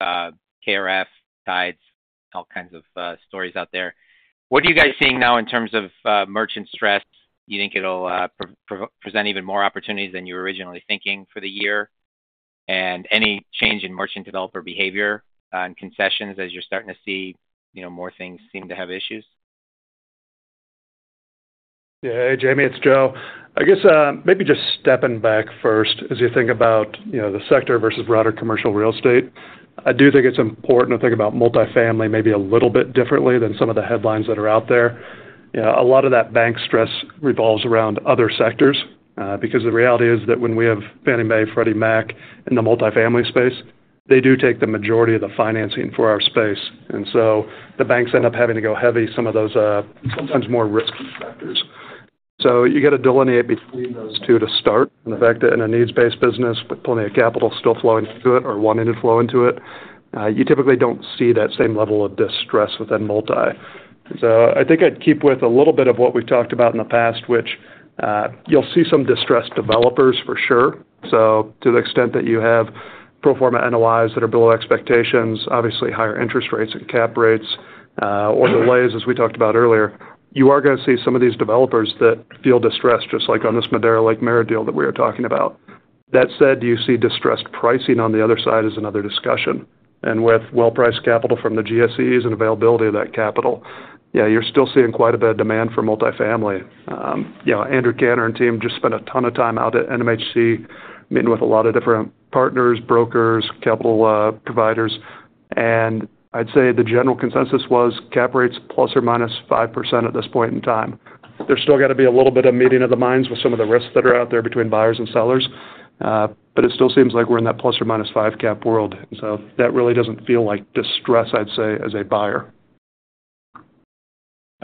KREF, Tides, all kinds of stories out there. What are you guys seeing now in terms of merchant stress? Do you think it'll present even more opportunities than you were originally thinking for the year? And any change in merchant developer behavior on concessions as you're starting to see, you know, more things seem to have issues? Yeah. Hey, Jamie, it's Joe. I guess, maybe just stepping back first, as you think about, you know, the sector versus broader commercial real estate, I do think it's important to think about multifamily maybe a little bit differently than some of the headlines that are out there. You know, a lot of that bank stress revolves around other sectors, because the reality is that when we have Fannie Mae, Freddie Mac in the multifamily space, they do take the majority of the financing for our space. And so the banks end up having to go heavy some of those, sometimes more risky sectors. So you got to delineate between those two to start. The fact that in a needs-based business, with plenty of capital still flowing into it or wanting to flow into it, you typically don't see that same level of distress within multi. I think I'd keep with a little bit of what we've talked about in the past, which, you'll see some distressed developers for sure. To the extent that you have pro forma analyses that are below expectations, obviously higher interest rates and cap rates, or delays, as we talked about earlier, you are going to see some of these developers that feel distressed, just like on this Modera Lake Merritt deal that we were talking about. That said, do you see distressed pricing on the other side is another discussion. With well-priced capital from the GSEs and availability of that capital, yeah, you're still seeing quite a bit of demand for multifamily. Yeah, Andrew Cantor and team just spent a ton of time out at NMHC, meeting with a lot of different partners, brokers, capital providers. And I'd say the general consensus was cap rates ±5% at this point in time. There's still got to be a little bit of meeting of the minds with some of the risks that are out there between buyers and sellers, but it still seems like we're in that ±5 cap world. So that really doesn't feel like distress, I'd say, as a buyer.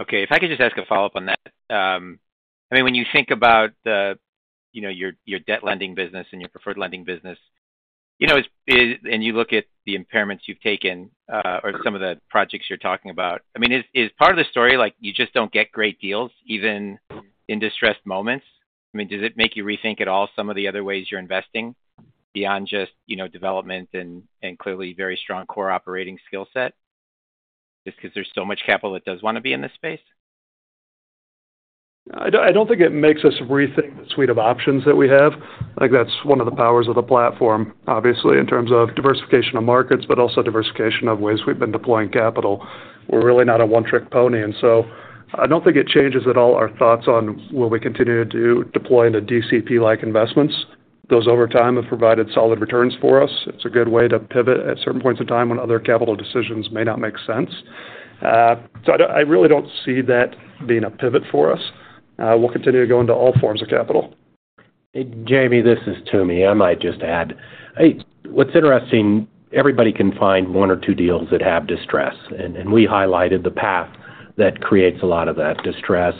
Okay. If I could just ask a follow-up on that. I mean, when you think about the, you know, your debt lending business and your preferred lending business, you know, is... And you look at the impairments you've taken, or some of the projects you're talking about, I mean, is part of the story like you just don't get great deals even in distressed moments? I mean, does it make you rethink at all some of the other ways you're investing beyond just, you know, development and clearly very strong core operating skill set, just because there's so much capital that does want to be in this space? I don't think it makes us rethink the suite of options that we have. I think that's one of the powers of the platform, obviously, in terms of diversification of markets, but also diversification of ways we've been deploying capital. We're really not a one-trick pony, and so I don't think it changes at all our thoughts on will we continue to deploy into DCP-like investments. Those over time have provided solid returns for us. It's a good way to pivot at certain points of time when other capital decisions may not make sense. So I don't, I really don't see that being a pivot for us. We'll continue to go into all forms of capital. Jamie, this is Toomey. I might just add, I, what's interesting, everybody can find one or two deals that have distress, and we highlighted the path that creates a lot of that distress.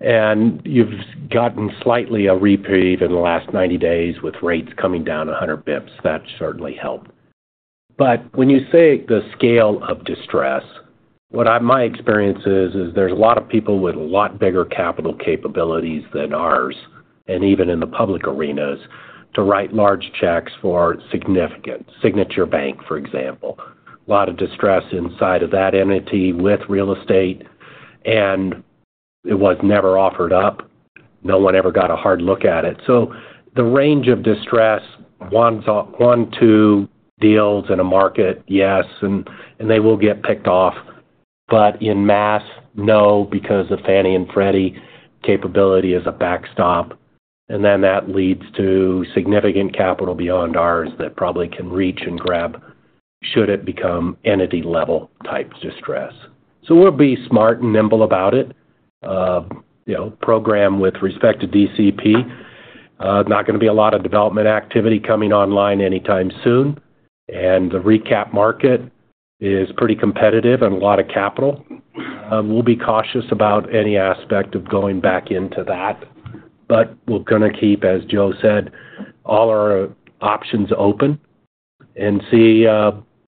And you've gotten slightly a reprieve in the last 90 days with rates coming down 100 basis points. That certainly helped. But when you say the scale of distress, what, my experience is, is there's a lot of people with a lot bigger capital capabilities than ours, and even in the public arenas, to write large checks for significant. Signature Bank, for example, a lot of distress inside of that entity with real estate, and it was never offered up. No one ever got a hard look at it. So the range of distress, one, two deals in a market, yes, and they will get picked off. But en masse, no, because of Fannie and Freddie capability as a backstop, and then that leads to significant capital beyond ours that probably can reach and grab, should it become entity-level type distress. So we'll be smart and nimble about it. You know, program with respect to DCP, not going to be a lot of development activity coming online anytime soon, and the recap market is pretty competitive and a lot of capital. We'll be cautious about any aspect of going back into that, but we're going to keep, as Joe said, all our options open and see,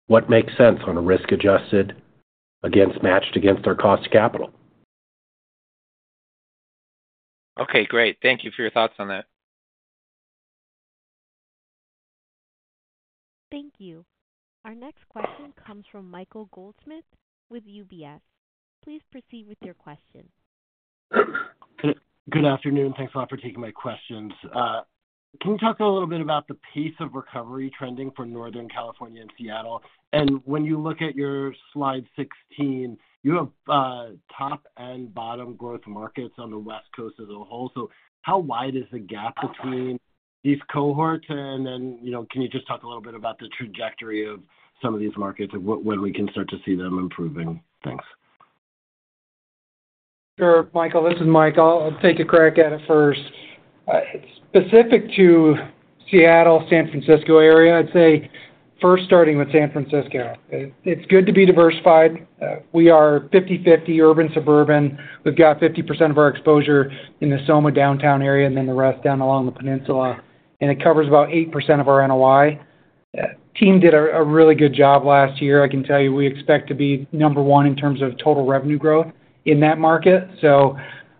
what makes sense on a risk-adjusted against, matched against our cost capital. Okay, great. Thank you for your thoughts on that. Thank you. Our next question comes from Michael Goldsmith with UBS. Please proceed with your question. Good afternoon. Thanks a lot for taking my questions. Can you talk a little bit about the pace of recovery trending for Northern California and Seattle? And when you look at your slide 16, you have top and bottom growth markets on the West Coast as a whole. So how wide is the gap between these cohorts? And then, you know, can you just talk a little bit about the trajectory of some of these markets and when we can start to see them improving? Thanks. Sure, Michael, this is Mike. I'll take a crack at it first. Specific to Seattle, San Francisco area, I'd say first, starting with San Francisco, it's good to be diversified. We are 50/50 urban, suburban. We've got 50% of our exposure in the SoMa downtown area and then the rest down along the peninsula, and it covers about 8% of our NOI. Team did a really good job last year. I can tell you, we expect to be number one in terms of total revenue growth in that market. So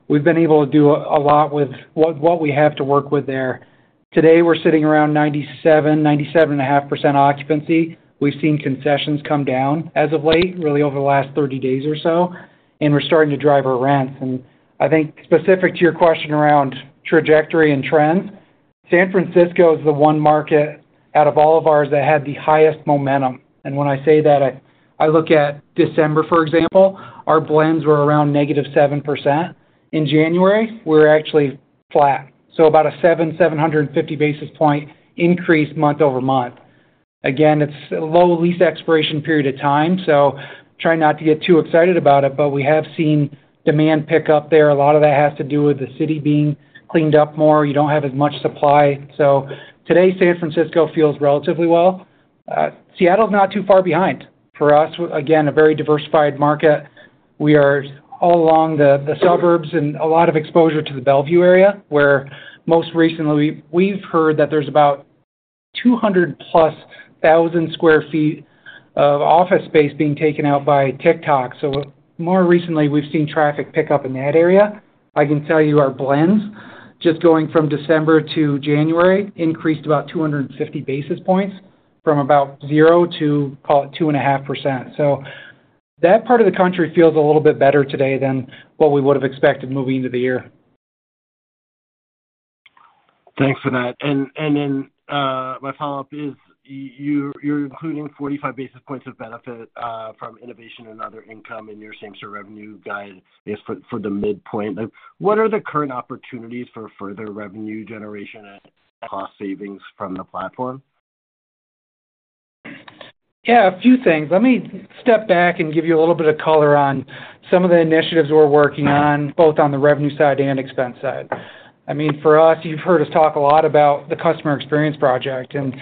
we've been able to do a lot with what we have to work with there. Today, we're sitting around 97, 97.5% occupancy. We've seen concessions come down as of late, really over the last 30 days or so, and we're starting to drive our rents. I think specific to your question around trajectory and trends, San Francisco is the one market out of all of ours that had the highest momentum. And when I say that, I look at December, for example, our blends were around -7%. In January, we're actually flat, so about a 750 basis point increase month-over-month. Again, it's a low lease expiration period of time, so try not to get too excited about it, but we have seen demand pick up there. A lot of that has to do with the city being cleaned up more. You don't have as much supply. So today, San Francisco feels relatively well. Seattle's not too far behind. For us, again, a very diversified market. We are all along the suburbs and a lot of exposure to the Bellevue area, where most recently we've heard that there's about 200+ thousand sq ft of office space being taken out by TikTok. So more recently, we've seen traffic pick up in that area. I can tell you our blends, just going from December to January, increased about 250 basis points, from about 0% to, call it, 2.5%. So that part of the country feels a little bit better today than what we would have expected moving into the year. Thanks for that. And then, my follow-up is, you're including 45 basis points of benefit from innovation and other income in your same-store revenue guide, I guess, for the midpoint. What are the current opportunities for further revenue generation and cost savings from the platform? Yeah, a few things. Let me step back and give you a little bit of color on some of the initiatives we're working on, both on the revenue side and expense side. I mean, for us, you've heard us talk a lot about the Customer Experience project, and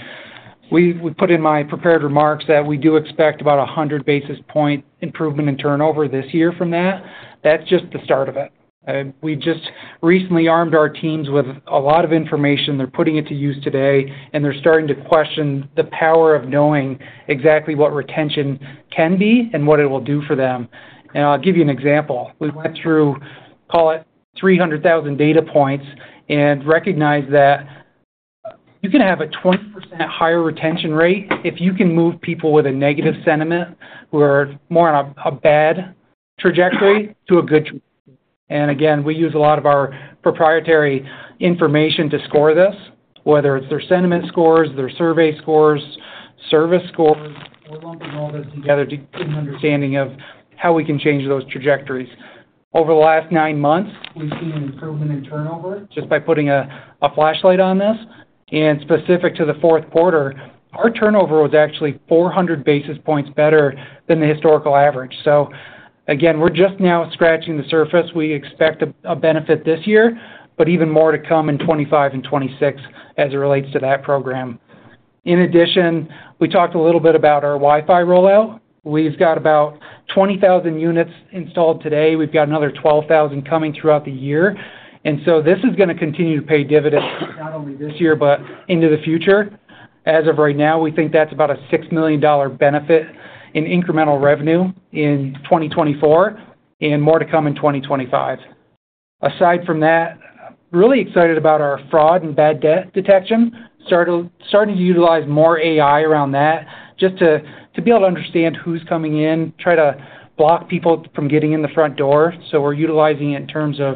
we put in my prepared remarks that we do expect about 100 basis point improvement in turnover this year from that. That's just the start of it. We just recently armed our teams with a lot of information. They're putting it to use today, and they're starting to question the power of knowing exactly what retention can be and what it will do for them. And I'll give you an example. We went through, call it, 300,000 data points and recognized that you can have a 20% higher retention rate if you can move people with a negative sentiment, who are more on a bad trajectory, to a good. And again, we use a lot of our proprietary information to score this, whether it's their sentiment scores, their survey scores, service scores. We're lumping all this together to get an understanding of how we can change those trajectories. Over the last nine months, we've seen an improvement in turnover just by putting a flashlight on this. And specific to the fourth quarter, our turnover was actually 400 basis points better than the historical average. So again, we're just now scratching the surface. We expect a benefit this year, but even more to come in 2025 and 2026 as it relates to that program. In addition, we talked a little bit about our Wi-Fi rollout. We've got about 20,000 units installed today. We've got another 12,000 coming throughout the year, and so this is going to continue to pay dividends not only this year but into the future. As of right now, we think that's about a $6 million benefit in incremental revenue in 2024 and more to come in 2025. Aside from that, really excited about our fraud and bad debt detection. Starting to utilize more AI around that just to be able to understand who's coming in, try to block people from getting in the front door. So we're utilizing it in terms of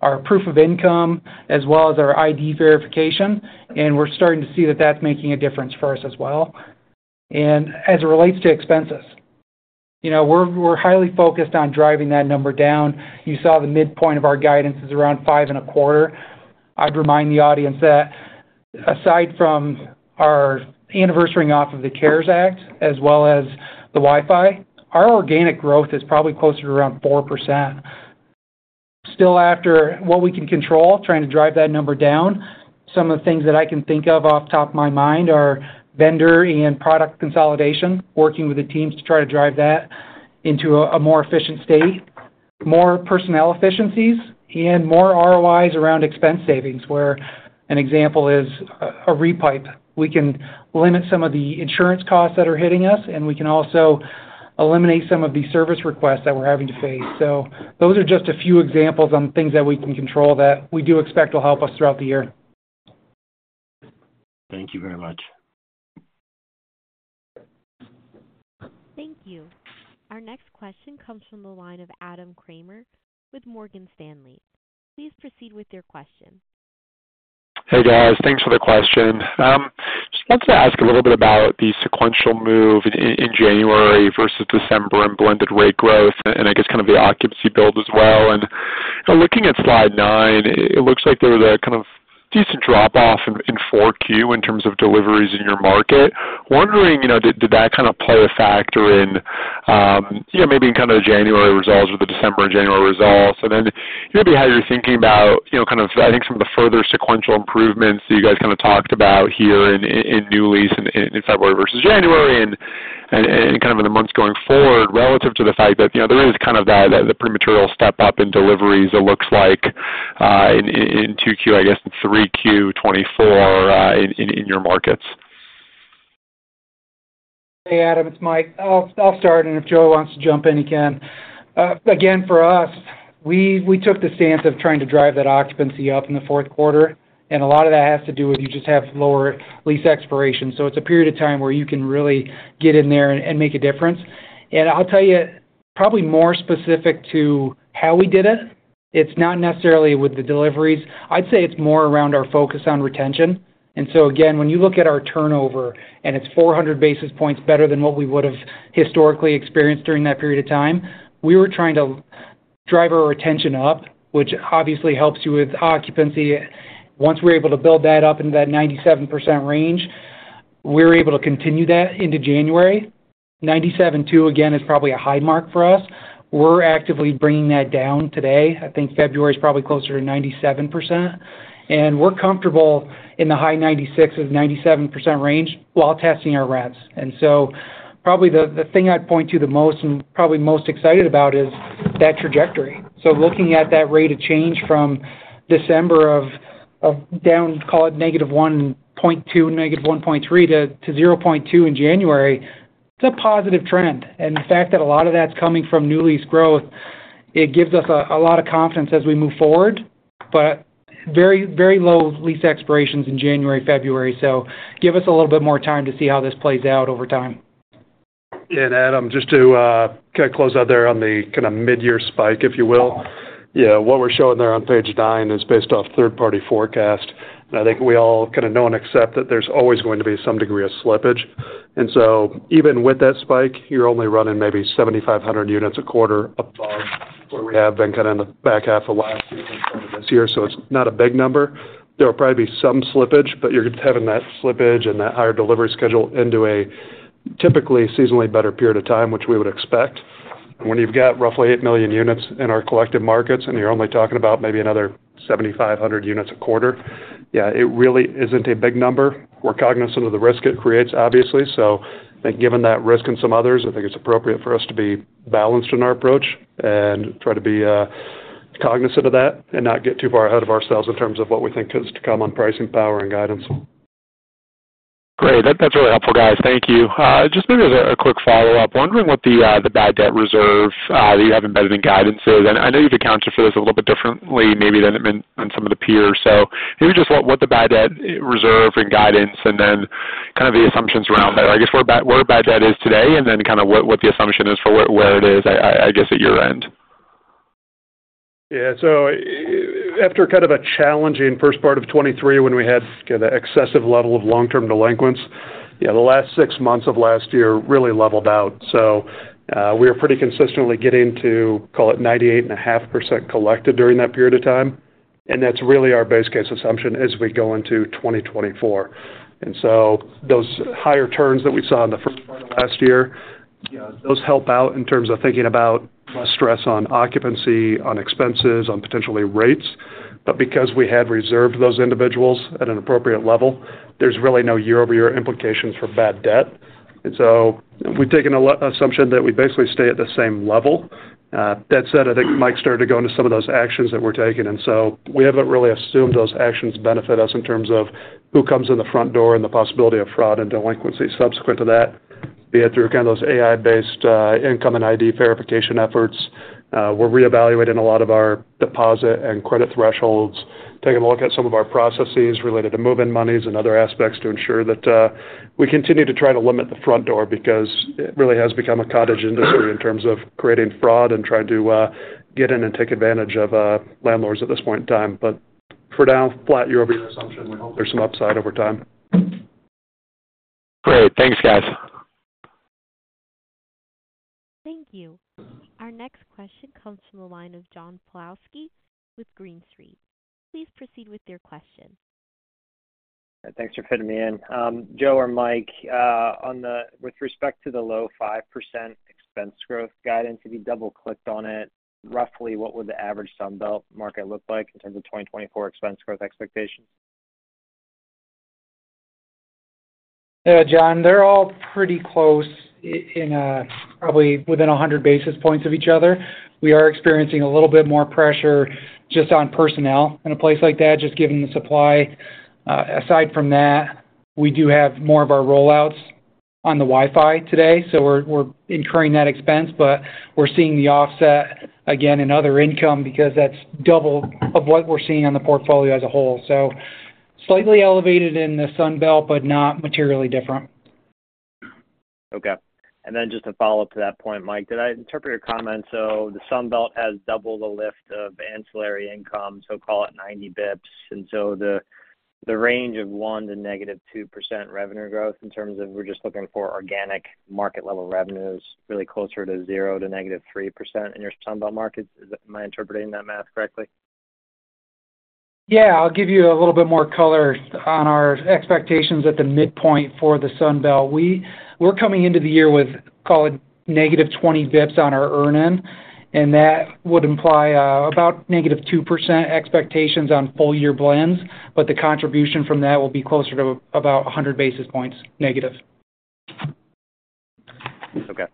our proof of income as well as our ID verification, and we're starting to see that that's making a difference for us as well. As it relates to expenses, you know, we're highly focused on driving that number down. You saw the midpoint of our guidance is around 5.25%. I'd remind the audience that aside from our anniversarying off of the CARES Act, as well as the Wi-Fi, our organic growth is probably closer to around 4%. Still, after what we can control, trying to drive that number down, some of the things that I can think of off the top of my mind are vendor and product consolidation, working with the teams to try to drive that into a more efficient state, more personnel efficiencies, and more ROIs around expense savings, where an example is a repipe. We can limit some of the insurance costs that are hitting us, and we can also eliminate some of the service requests that we're having to face. Those are just a few examples on things that we can control that we do expect will help us throughout the year. Thank you very much. Thank you. Our next question comes from the line of Adam Kramer with Morgan Stanley. Please proceed with your question. Hey, guys. Thanks for the question. Just wanted to ask a little bit about the sequential move in January versus December and blended rate growth and, I guess, kind of the occupancy build as well. And looking at slide 9, it looks like there was a kind of decent drop off in 4Q in terms of deliveries in your market. Wondering, you know, did that kind of play a factor in, yeah, maybe in kind of the January results or the December, January results? And then maybe how you're thinking about, you know, kind of, I think some of the further sequential improvements that you guys kind of talked about here in new lease in February versus January, and kind of in the months going forward, relative to the fact that, you know, there is kind of that, the pretty material step up in deliveries, it looks like, in 2Q, I guess, in 3Q 2024, in your markets. Hey, Adam, it's Mike. I'll start, and if Joe wants to jump in, he can. Again, for us, we took the stance of trying to drive that occupancy up in the fourth quarter, and a lot of that has to do with you just have lower lease expiration. So it's a period of time where you can really get in there and make a difference. And I'll tell you, probably more specific to how we did it, it's not necessarily with the deliveries. I'd say it's more around our focus on retention. And so again, when you look at our turnover, and it's 400 basis points better than what we would have historically experienced during that period of time, we were trying to drive our retention up, which obviously helps you with occupancy. Once we're able to build that up into that 97% range, we're able to continue that into January. 97.2, again, is probably a high mark for us. We're actively bringing that down today. I think February is probably closer to 97%, and we're comfortable in the high 96 of 97% range while testing our rents. So probably the, the thing I'd point to the most and probably most excited about is that trajectory. So looking at that rate of change from December of, of down, call it -1.2, -1.3 to, to 0.2 in January, it's a positive trend. The fact that a lot of that's coming from new lease growth, it gives us a, a lot of confidence as we move forward, but very, very low lease expirations in January, February. So, give us a little bit more time to see how this plays out over time. Adam, just to kind of close out there on the kind of midyear spike, if you will. Yeah, what we're showing there on page 9 is based off third-party forecast, and I think we all kind of know and accept that there's always going to be some degree of slippage. And so even with that spike, you're only running maybe 7,500 units a quarter above where we have been kind of in the back half of last year in front of this year. So it's not a big number. There will probably be some slippage, but you're having that slippage and that higher delivery schedule into a typically seasonally better period of time, which we would expect. When you've got roughly 8 million units in our collective markets, and you're only talking about maybe another 7,500 units a quarter, yeah, it really isn't a big number. We're cognizant of the risk it creates, obviously. So I think given that risk and some others, I think it's appropriate for us to be balanced in our approach and try to be, cognizant of that and not get too far ahead of ourselves in terms of what we think is to come on pricing, power, and guidance. Great. That's really helpful, guys. Thank you. Just maybe a quick follow-up. Wondering what the bad debt reserve that you have embedded in guidance is. And I know you've accounted for this a little bit differently, maybe than in, on some of the peers. So maybe just what the bad debt reserve and guidance and then kind of the assumptions around that. I guess where bad debt is today, and then kind of what the assumption is for where it is, I guess, at year-end. Yeah. So after kind of a challenging first part of 2023, when we had kind of excessive level of long-term delinquents, yeah, the last six months of last year really leveled out. So, we are pretty consistently getting to, call it, 98.5% collected during that period of time, and that's really our base case assumption as we go into 2024. And so those higher turns that we saw in the first part of last year, yeah, those help out in terms of thinking about less stress on occupancy, on expenses, on potentially rates. But because we had reserved those individuals at an appropriate level, there's really no year-over-year implications for bad debt. And so we've taken an assumption that we basically stay at the same level. That said, I think Mike started to go into some of those actions that we're taking, and so we haven't really assumed those actions benefit us in terms of who comes in the front door and the possibility of fraud and delinquency. Subsequent to that, be it through kind of those AI-based income and ID verification efforts, we're reevaluating a lot of our deposit and credit thresholds, taking a look at some of our processes related to move-in monies and other aspects to ensure that we continue to try to limit the front door because it really has become a cottage industry in terms of creating fraud and trying to get in and take advantage of landlords at this point in time. But for now, flat year-over-year assumption, we hope there's some upside over time. Great. Thanks, guys. Thank you. Our next question comes from the line of John Pawlowski with Green Street. Please proceed with your question. Thanks for fitting me in. Joe or Mike, with respect to the low 5% expense growth guidance, if you double-clicked on it, roughly what would the average Sun Belt market look like in terms of 2024 expense growth expectations? Yeah, John, they're all pretty close in, probably within 100 basis points of each other. We are experiencing a little bit more pressure just on personnel in a place like that, just given the supply. Aside from that, we do have more of our rollouts on the Wi-Fi today, so we're incurring that expense, but we're seeing the offset again in other income because that's double of what we're seeing on the portfolio as a whole. So slightly elevated in the Sun Belt, but not materially different. Okay. And then just a follow-up to that point, Mike, did I interpret your comments so, the Sun Belt has double the lift of ancillary income, so call it 90 basis points. And so the, the range of 1% to -2% revenue growth in terms of we're just looking for organic market level revenues, really closer to 0% to -3% in your Sun Belt markets. Am I interpreting that math correctly? Yeah. I'll give you a little bit more color on our expectations at the midpoint for the Sun Belt. We're coming into the year with, call it, negative 20 basis points on our earn-in, and that would imply about negative 2% expectations on full-year blends, but the contribution from that will be closer to about 100 basis points negative. Okay.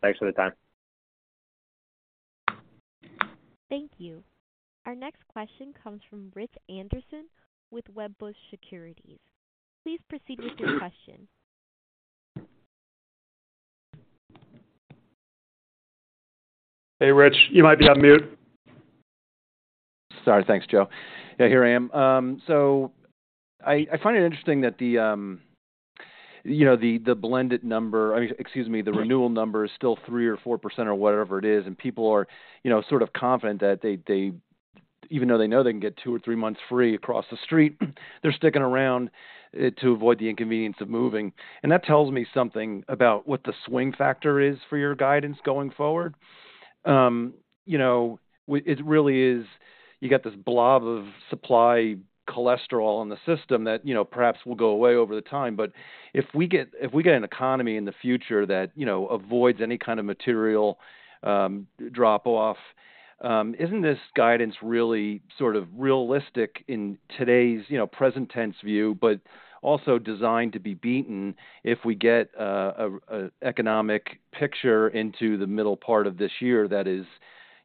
Thanks for the time. Thank you. Our next question comes from Rich Anderson with Wedbush Securities. Please proceed with your question. Hey, Rich, you might be on mute. Sorry. Thanks, Joe. Yeah, here I am. So I find it interesting that the, you know, the blended number, excuse me, the renewal number is still 3% or 4% or whatever it is, and people are, you know, sort of confident that they, even though they know they can get two or three months free across the street, they're sticking around to avoid the inconvenience of moving. And that tells me something about what the swing factor is for your guidance going forward. You got this blob of supply cholesterol in the system that, you know, perhaps will go away over the time. But if we get, if we get an economy in the future that, you know, avoids any kind of material drop off, isn't this guidance really sort of realistic in today's, you know, present tense view, but also designed to be beaten if we get an economic picture into the middle part of this year that is,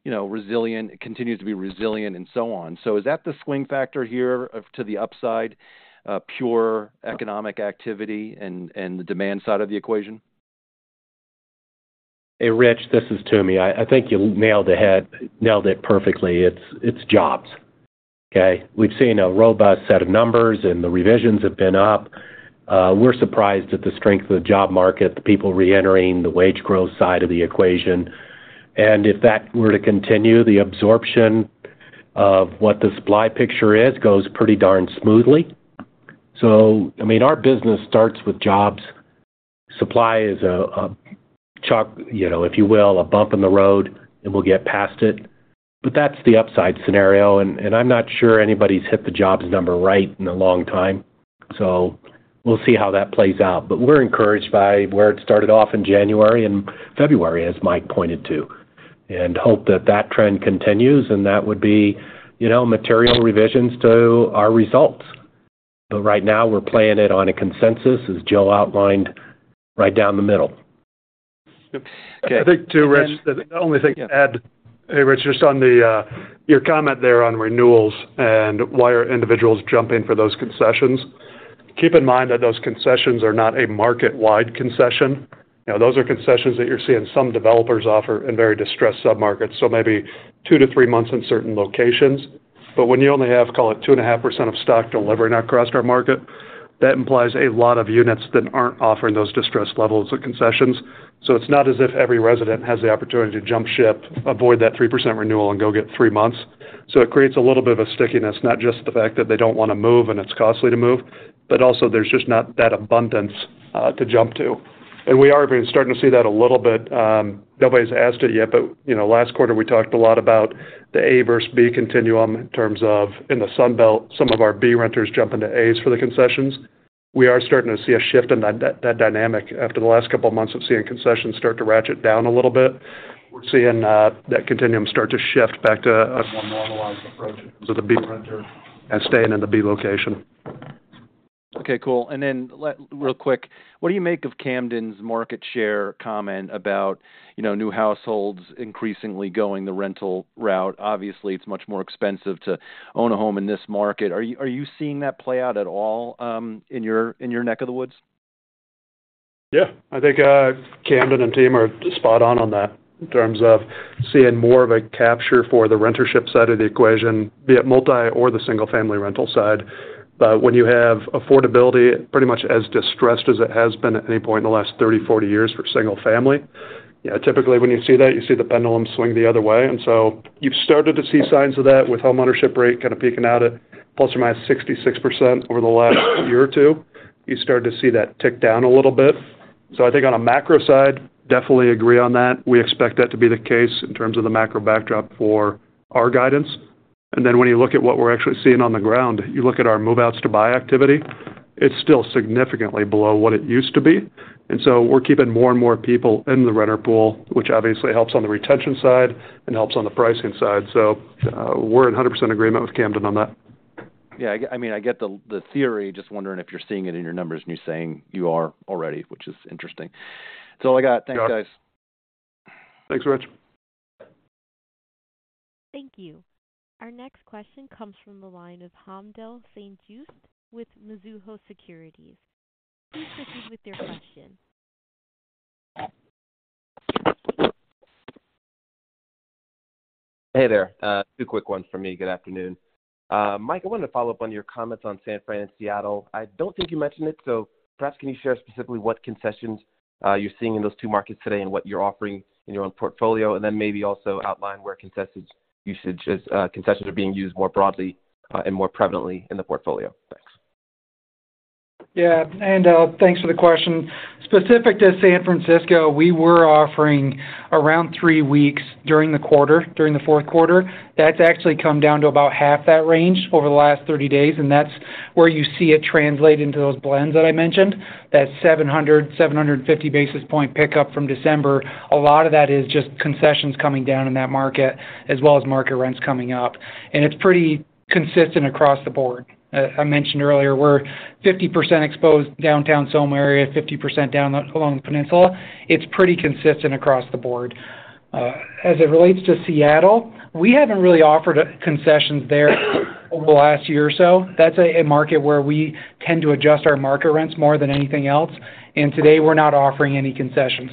you know, resilient, continues to be resilient and so on? So is that the swing factor here to the upside, pure economic activity and the demand side of the equation? Hey, Rich, this is Tom. I think you nailed the head, nailed it perfectly. It's jobs. Okay. We've seen a robust set of numbers and the revisions have been up. We're surprised at the strength of the job market, the people reentering, the wage growth side of the equation, and if that were to continue, the absorption of what the supply picture is goes pretty darn smoothly. So, I mean, our business starts with jobs. Supply is a chalk, you know, if you will, a bump in the road, and we'll get past it. But that's the upside scenario, and I'm not sure anybody's hit the jobs number right in a long time, so we'll see how that plays out. But we're encouraged by where it started off in January and February, as Mike pointed to, and hope that that trend continues, and that would be, you know, material revisions to our results. But right now, we're playing it on a consensus, as Joe outlined, right down the middle. Okay. I think, too, Rich, the only thing to add, hey, Rich, just on the, your comment there on renewals and why are individuals jumping for those concessions? Keep in mind that those concessions are not a market-wide concession. Those are concessions that you're seeing some developers offer in very distressed submarkets, so maybe 2-3 months in certain locations. But when you only have, call it, 2.5% of stock delivering across our market, that implies a lot of units that aren't offering those distressed levels of concessions. So it's not as if every resident has the opportunity to jump ship, avoid that 3% renewal, and go get 3 months. So it creates a little bit of a stickiness, not just the fact that they don't want to move and it's costly to move, but also there's just not that abundance to jump to. And we are starting to see that a little bit. Nobody's asked it yet, but, you know, last quarter we talked a lot about the A versus B continuum in terms of in the Sun Belt, some of our B renters jumping to A's for the concessions. We are starting to see a shift in that, that dynamic after the last couple of months of seeing concessions start to ratchet down a little bit. We're seeing that continuum start to shift back to a more normalized approach to the B renter and staying in the B location. Okay, cool. And then real quick, what do you make of Camden's market share comment about, you know, new households increasingly going the rental route? Obviously, it's much more expensive to own a home in this market. Are you seeing that play out at all in your neck of the woods? Yeah. I think, Camden and team are spot on on that in terms of seeing more of a capture for the rentership side of the equation, be it multi or the single-family rental side. But when you have affordability, pretty much as distressed as it has been at any point in the last 30, 40 years for single family, yeah, typically when you see that, you see the pendulum swing the other way. And so you've started to see signs of that with homeownership rate kind of peaking out at ±66% over the last year or two. You start to see that tick down a little bit. So I think on a macro side, definitely agree on that. We expect that to be the case in terms of the macro backdrop for our guidance. And then when you look at what we're actually seeing on the ground, you look at our move outs to buy activity, it's still significantly below what it used to be. And so we're keeping more and more people in the renter pool, which obviously helps on the retention side and helps on the pricing side. So, we're in 100% agreement with Camden on that. Yeah, I mean, I get the theory, just wondering if you're seeing it in your numbers, and you're saying you are already, which is interesting. That's all I got. Thanks, guys. Thanks, Rich. Thank you. Our next question comes from the line of Haendel St. Juste with Mizuho Securities. Please proceed with your question. Hey there, two quick ones for me. Good afternoon. Mike, I wanted to follow up on your comments on San Fran and Seattle. I don't think you mentioned it, so perhaps can you share specifically what concessions? You're seeing in those two markets today and what you're offering in your own portfolio, and then maybe also outline where concessions usage is, concessions are being used more broadly, and more prevalently in the portfolio. Thanks. Yeah, and thanks for the question. Specific to San Francisco, we were offering around three weeks during the quarter, during the fourth quarter. That's actually come down to about half that range over the last 30 days, and that's where you see it translate into those blends that I mentioned. That 750 basis point pickup from December, a lot of that is just concessions coming down in that market, as well as market rents coming up. It's pretty consistent across the board. I mentioned earlier, we're 50% exposed downtown SoMa area, 50% along the peninsula. It's pretty consistent across the board. As it relates to Seattle, we haven't really offered concessions there over the last year or so. That's a market where we tend to adjust our market rents more than anything else, and today we're not offering any concessions.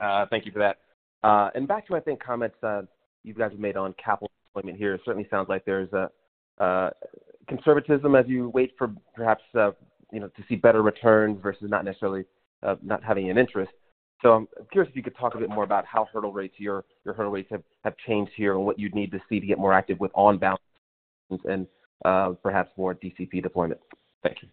Okay, thank you for that. And back to, I think, comments you guys have made on capital deployment here. It certainly sounds like there's a conservatism as you wait for perhaps, you know, to see better returns versus not necessarily not having an interest. So I'm curious if you could talk a bit more about how your hurdle rates have changed here, and what you'd need to see to get more active with on-balance-sheet and perhaps more DCP deployment. Thank you.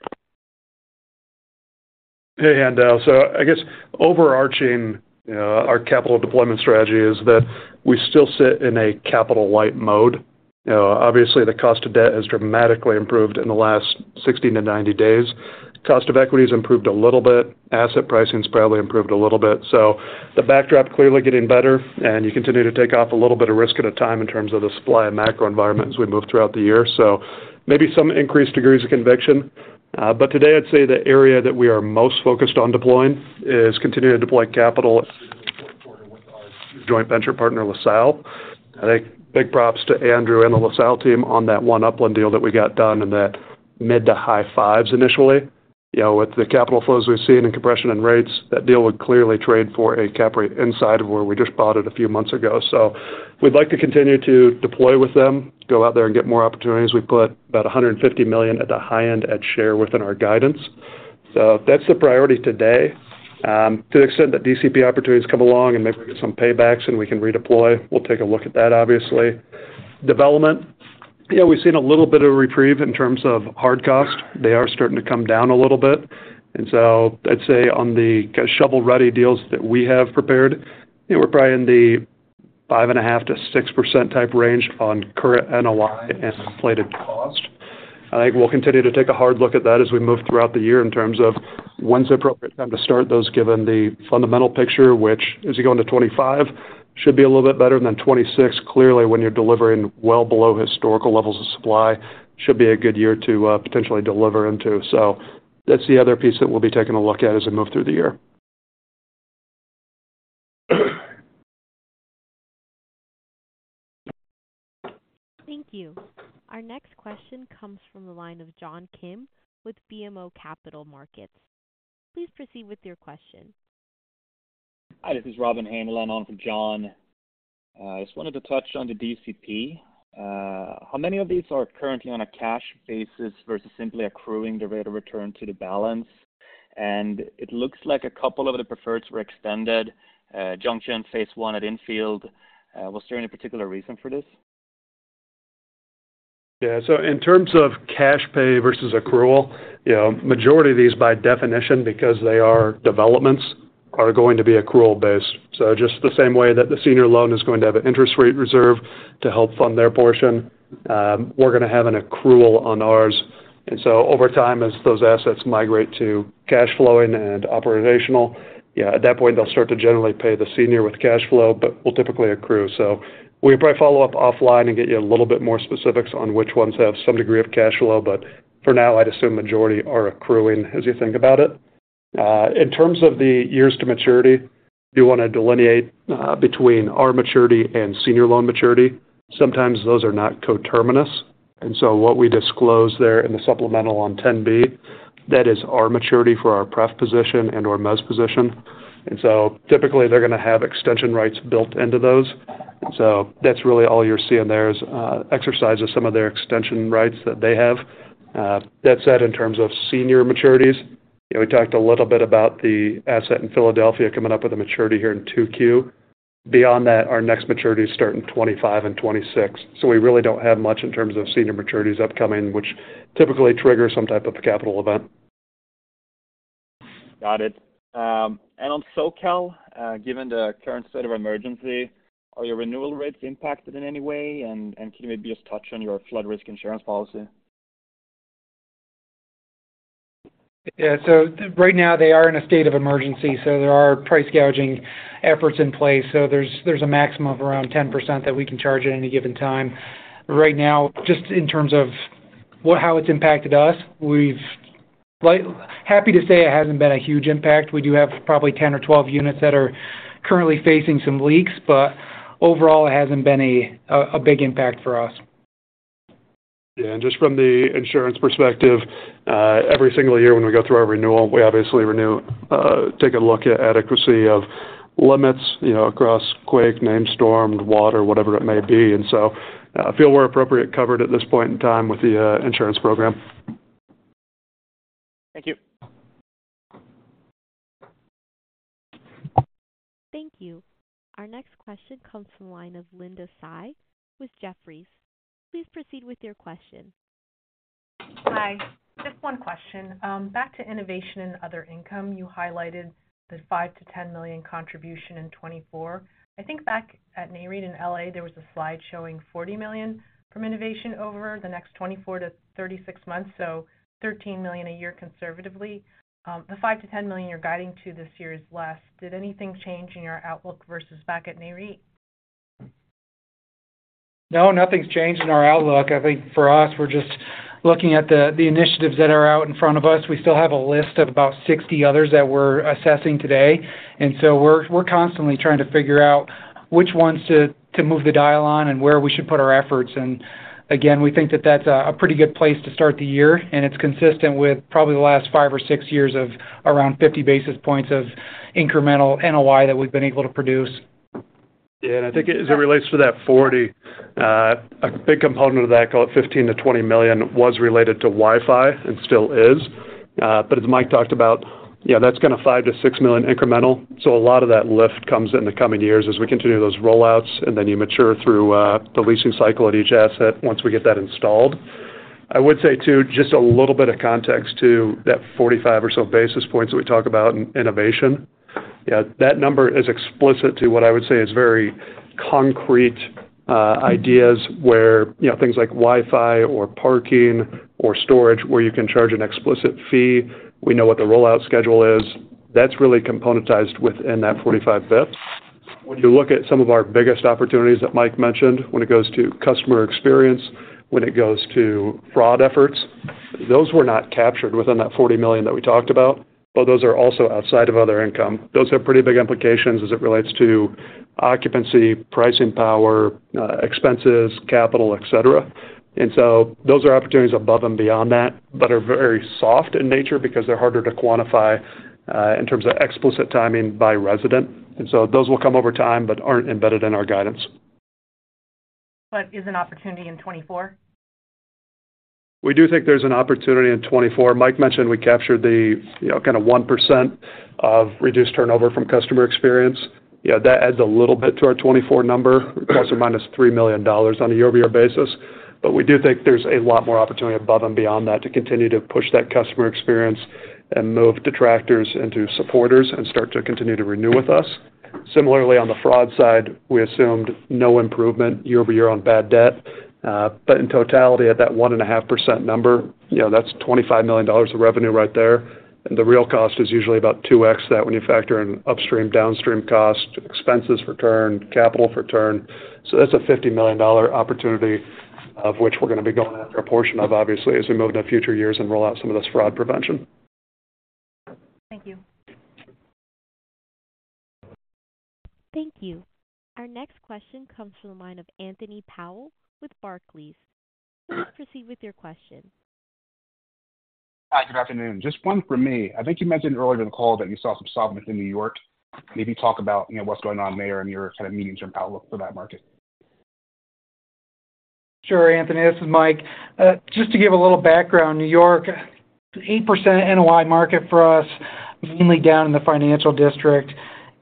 Hey, Haendel. So I guess overarching, our capital deployment strategy is that we still sit in a capital light mode. You know, obviously, the cost of debt has dramatically improved in the last 60-90 days. Cost of equity's improved a little bit. Asset pricing's probably improved a little bit. So the backdrop clearly getting better, and you continue to take off a little bit of risk at a time in terms of the supply and macro environment as we move throughout the year. So maybe some increased degrees of conviction. But today, I'd say the area that we are most focused on deploying is continuing to deploy capital with our joint venture partner, LaSalle. I think big props to Andrew and the LaSalle team on that One Upland deal that we got done in the mid- to high-5s initially. You know, with the capital flows we've seen in compression and rates, that deal would clearly trade for a cap rate inside of where we just bought it a few months ago. So we'd like to continue to deploy with them, go out there and get more opportunities. We've put about $150 million at the high end at share within our guidance. So that's the priority today. To the extent that DCP opportunities come along, and maybe we get some paybacks and we can redeploy, we'll take a look at that, obviously. Development, yeah, we've seen a little bit of reprieve in terms of hard cost. They are starting to come down a little bit, and so I'd say on the shovel-ready deals that we have prepared, we're probably in the 5.5%-6% type range on current NOI and inflated cost. I think we'll continue to take a hard look at that as we move throughout the year in terms of when's the appropriate time to start those, given the fundamental picture, which as you go into 2025, should be a little bit better, and then 2026, clearly, when you're delivering well below historical levels of supply, should be a good year to potentially deliver into. So that's the other piece that we'll be taking a look at as we move through the year. Thank you. Our next question comes from the line of John Kim with BMO Capital Markets. Please proceed with your question. Hi, this is Robin Han on for John. I just wanted to touch on the DCP. How many of these are currently on a cash basis versus simply accruing the rate of return to the balance? It looks like a couple of the preferreds were extended, Junction Phase One at Infield. Was there any particular reason for this? Yeah, so in terms of cash pay versus accrual, you know, majority of these, by definition, because they are developments, are going to be accrual-based. So just the same way that the senior loan is going to have an interest rate reserve to help fund their portion, we're going to have an accrual on ours. And so over time, as those assets migrate to cash flowing and operational, yeah, at that point, they'll start to generally pay the senior with cash flow, but we'll typically accrue. So we'll probably follow up offline and get you a little bit more specifics on which ones have some degree of cash flow, but for now, I'd assume majority are accruing as you think about it. In terms of the years to maturity, you want to delineate between our maturity and senior loan maturity. Sometimes those are not coterminous, and so what we disclose there in the supplemental on 10-B, that is our maturity for our pref position and/or mezz position. And so typically, they're going to have extension rights built into those. So that's really all you're seeing there is exercise of some of their extension rights that they have. That said, in terms of senior maturities, you know, we talked a little bit about the asset in Philadelphia coming up with a maturity here in 2Q. Beyond that, our next maturities start in 2025 and 2026, so we really don't have much in terms of senior maturities upcoming, which typically trigger some type of capital event. Got it. And on SoCal, given the current state of emergency, are your renewal rates impacted in any way? And can you maybe just touch on your flood risk insurance policy? Yeah. So right now, they are in a state of emergency, so there are price gouging efforts in place. So there's a maximum of around 10% that we can charge at any given time. Right now, just in terms of what-how it's impacted us, we've... Like, happy to say it hasn't been a huge impact. We do have probably 10 or 12 units that are currently facing some leaks, but overall, it hasn't been a big impact for us. Yeah, and just from the insurance perspective, every single year when we go through our renewal, we obviously renew, take a look at adequacy of limits, you know, across quake, named storm, water, whatever it may be. And so, I feel we're appropriately covered at this point in time with the Insurance Program. Thank you. Thank you. Our next question comes from the line of Linda Tsai with Jefferies. Please proceed with your question. Hi, just one question. Back to innovation and other income, you highlighted the $5 million-$10 million contribution in 2024. I think back at NAREIT in LA, there was a slide showing $40 million from innovation over the next 24-36 months, so $13 million a year conservatively. The $5 million-$10 million you're guiding to this year is less. Did anything change in your outlook versus back at NAREIT? No, nothing's changed in our outlook. I think for us, we're just looking at the, the initiatives that are out in front of us. We still have a list of about 60 others that we're assessing today, and so we're, we're constantly trying to figure out which ones to, to move the dial on and where we should put our efforts. And again, we think that that's a, a pretty good place to start the year, and it's consistent with probably the last five or six years of around 50 basis points of incremental NOI that we've been able to produce. Yeah, and I think as it relates to that 40, a big component of that, call it $15 million-$20 million, was related to Wi-Fi and still is. But as Mike talked about, yeah, that's kind of $5 million-$6 million incremental. So a lot of that lift comes in the coming years as we continue those rollouts, and then you mature through the leasing cycle at each asset once we get that installed. I would say, too, just a little bit of context to that 45 or so basis points that we talk about in innovation. Yeah, that number is explicit to what I would say is very concrete ideas where, you know, things like Wi-Fi or parking or storage, where you can charge an explicit fee. We know what the rollout schedule is. That's really componentized within that 45 bps. When you look at some of our biggest opportunities that Mike mentioned, when it goes to customer experience, when it goes to fraud efforts, those were not captured within that $40 million that we talked about, but those are also outside of other income. Those have pretty big implications as it relates to occupancy, pricing, power, expenses, capital, et cetera. And so those are opportunities above and beyond that, but are very soft in nature because they're harder to quantify in terms of explicit timing by resident. And so those will come over time, but aren't embedded in our guidance. But is an opportunity in 2024? We do think there's an opportunity in 2024. Mike mentioned we captured the, you know, kind of 1% of reduced turnover from customer experience. Yeah, that adds a little bit to our 2024 number, plus or minus $3 million on a year-over-year basis. But we do think there's a lot more opportunity above and beyond that to continue to push that customer experience and move detractors into supporters and start to continue to renew with us. Similarly, on the fraud side, we assumed no improvement year-over-year on bad debt. But in totality, at that 1.5% number, yeah, that's $25 million of revenue right there. And the real cost is usually about 2x that when you factor in upstream, downstream costs, expenses for turn, capital for turn. So that's a $50 million opportunity, of which we're going to be going after a portion of, obviously, as we move into future years and roll out some of this fraud prevention. Thank you. Thank you. Our next question comes from the line of Anthony Powell with Barclays. Please proceed with your question. Hi, good afternoon. Just one from me. I think you mentioned earlier in the call that you saw some softness in New York. Maybe talk about, you know, what's going on there and your kind of medium-term outlook for that market. Sure, Anthony, this is Mike. Just to give a little background, New York, 8% NOI market for us, mainly down in the financial district.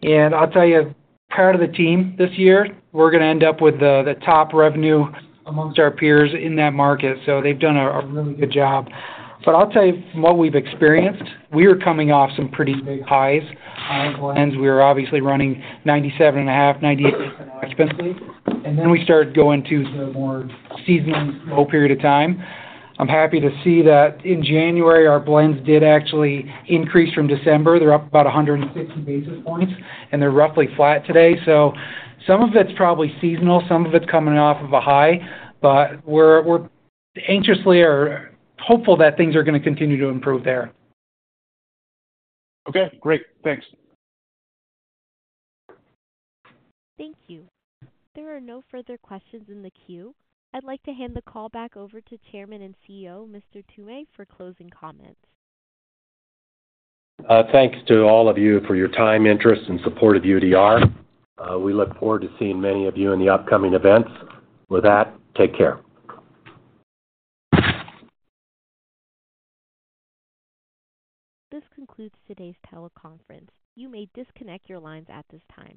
And I'll tell you, part of the team this year, we're going to end up with the, the top revenue amongst our peers in that market. So they've done a, a really good job. But I'll tell you from what we've experienced, we are coming off some pretty big highs. On blends, we are obviously running 97.5-98 occupancy, and then we started going to the more seasonal period of time. I'm happy to see that in January, our blends did actually increase from December. They're up about 160 basis points, and they're roughly flat today. So some of it's probably seasonal, some of it's coming off of a high, but we're anxiously or hopeful that things are going to continue to improve there. Okay, great. Thanks. Thank you. There are no further questions in the queue. I'd like to hand the call back over to Chairman and CEO, Mr. Toomey, for closing comments. Thanks to all of you for your time, interest, and support of UDR. We look forward to seeing many of you in the upcoming events. With that, take care. This concludes today's teleconference. You may disconnect your lines at this time.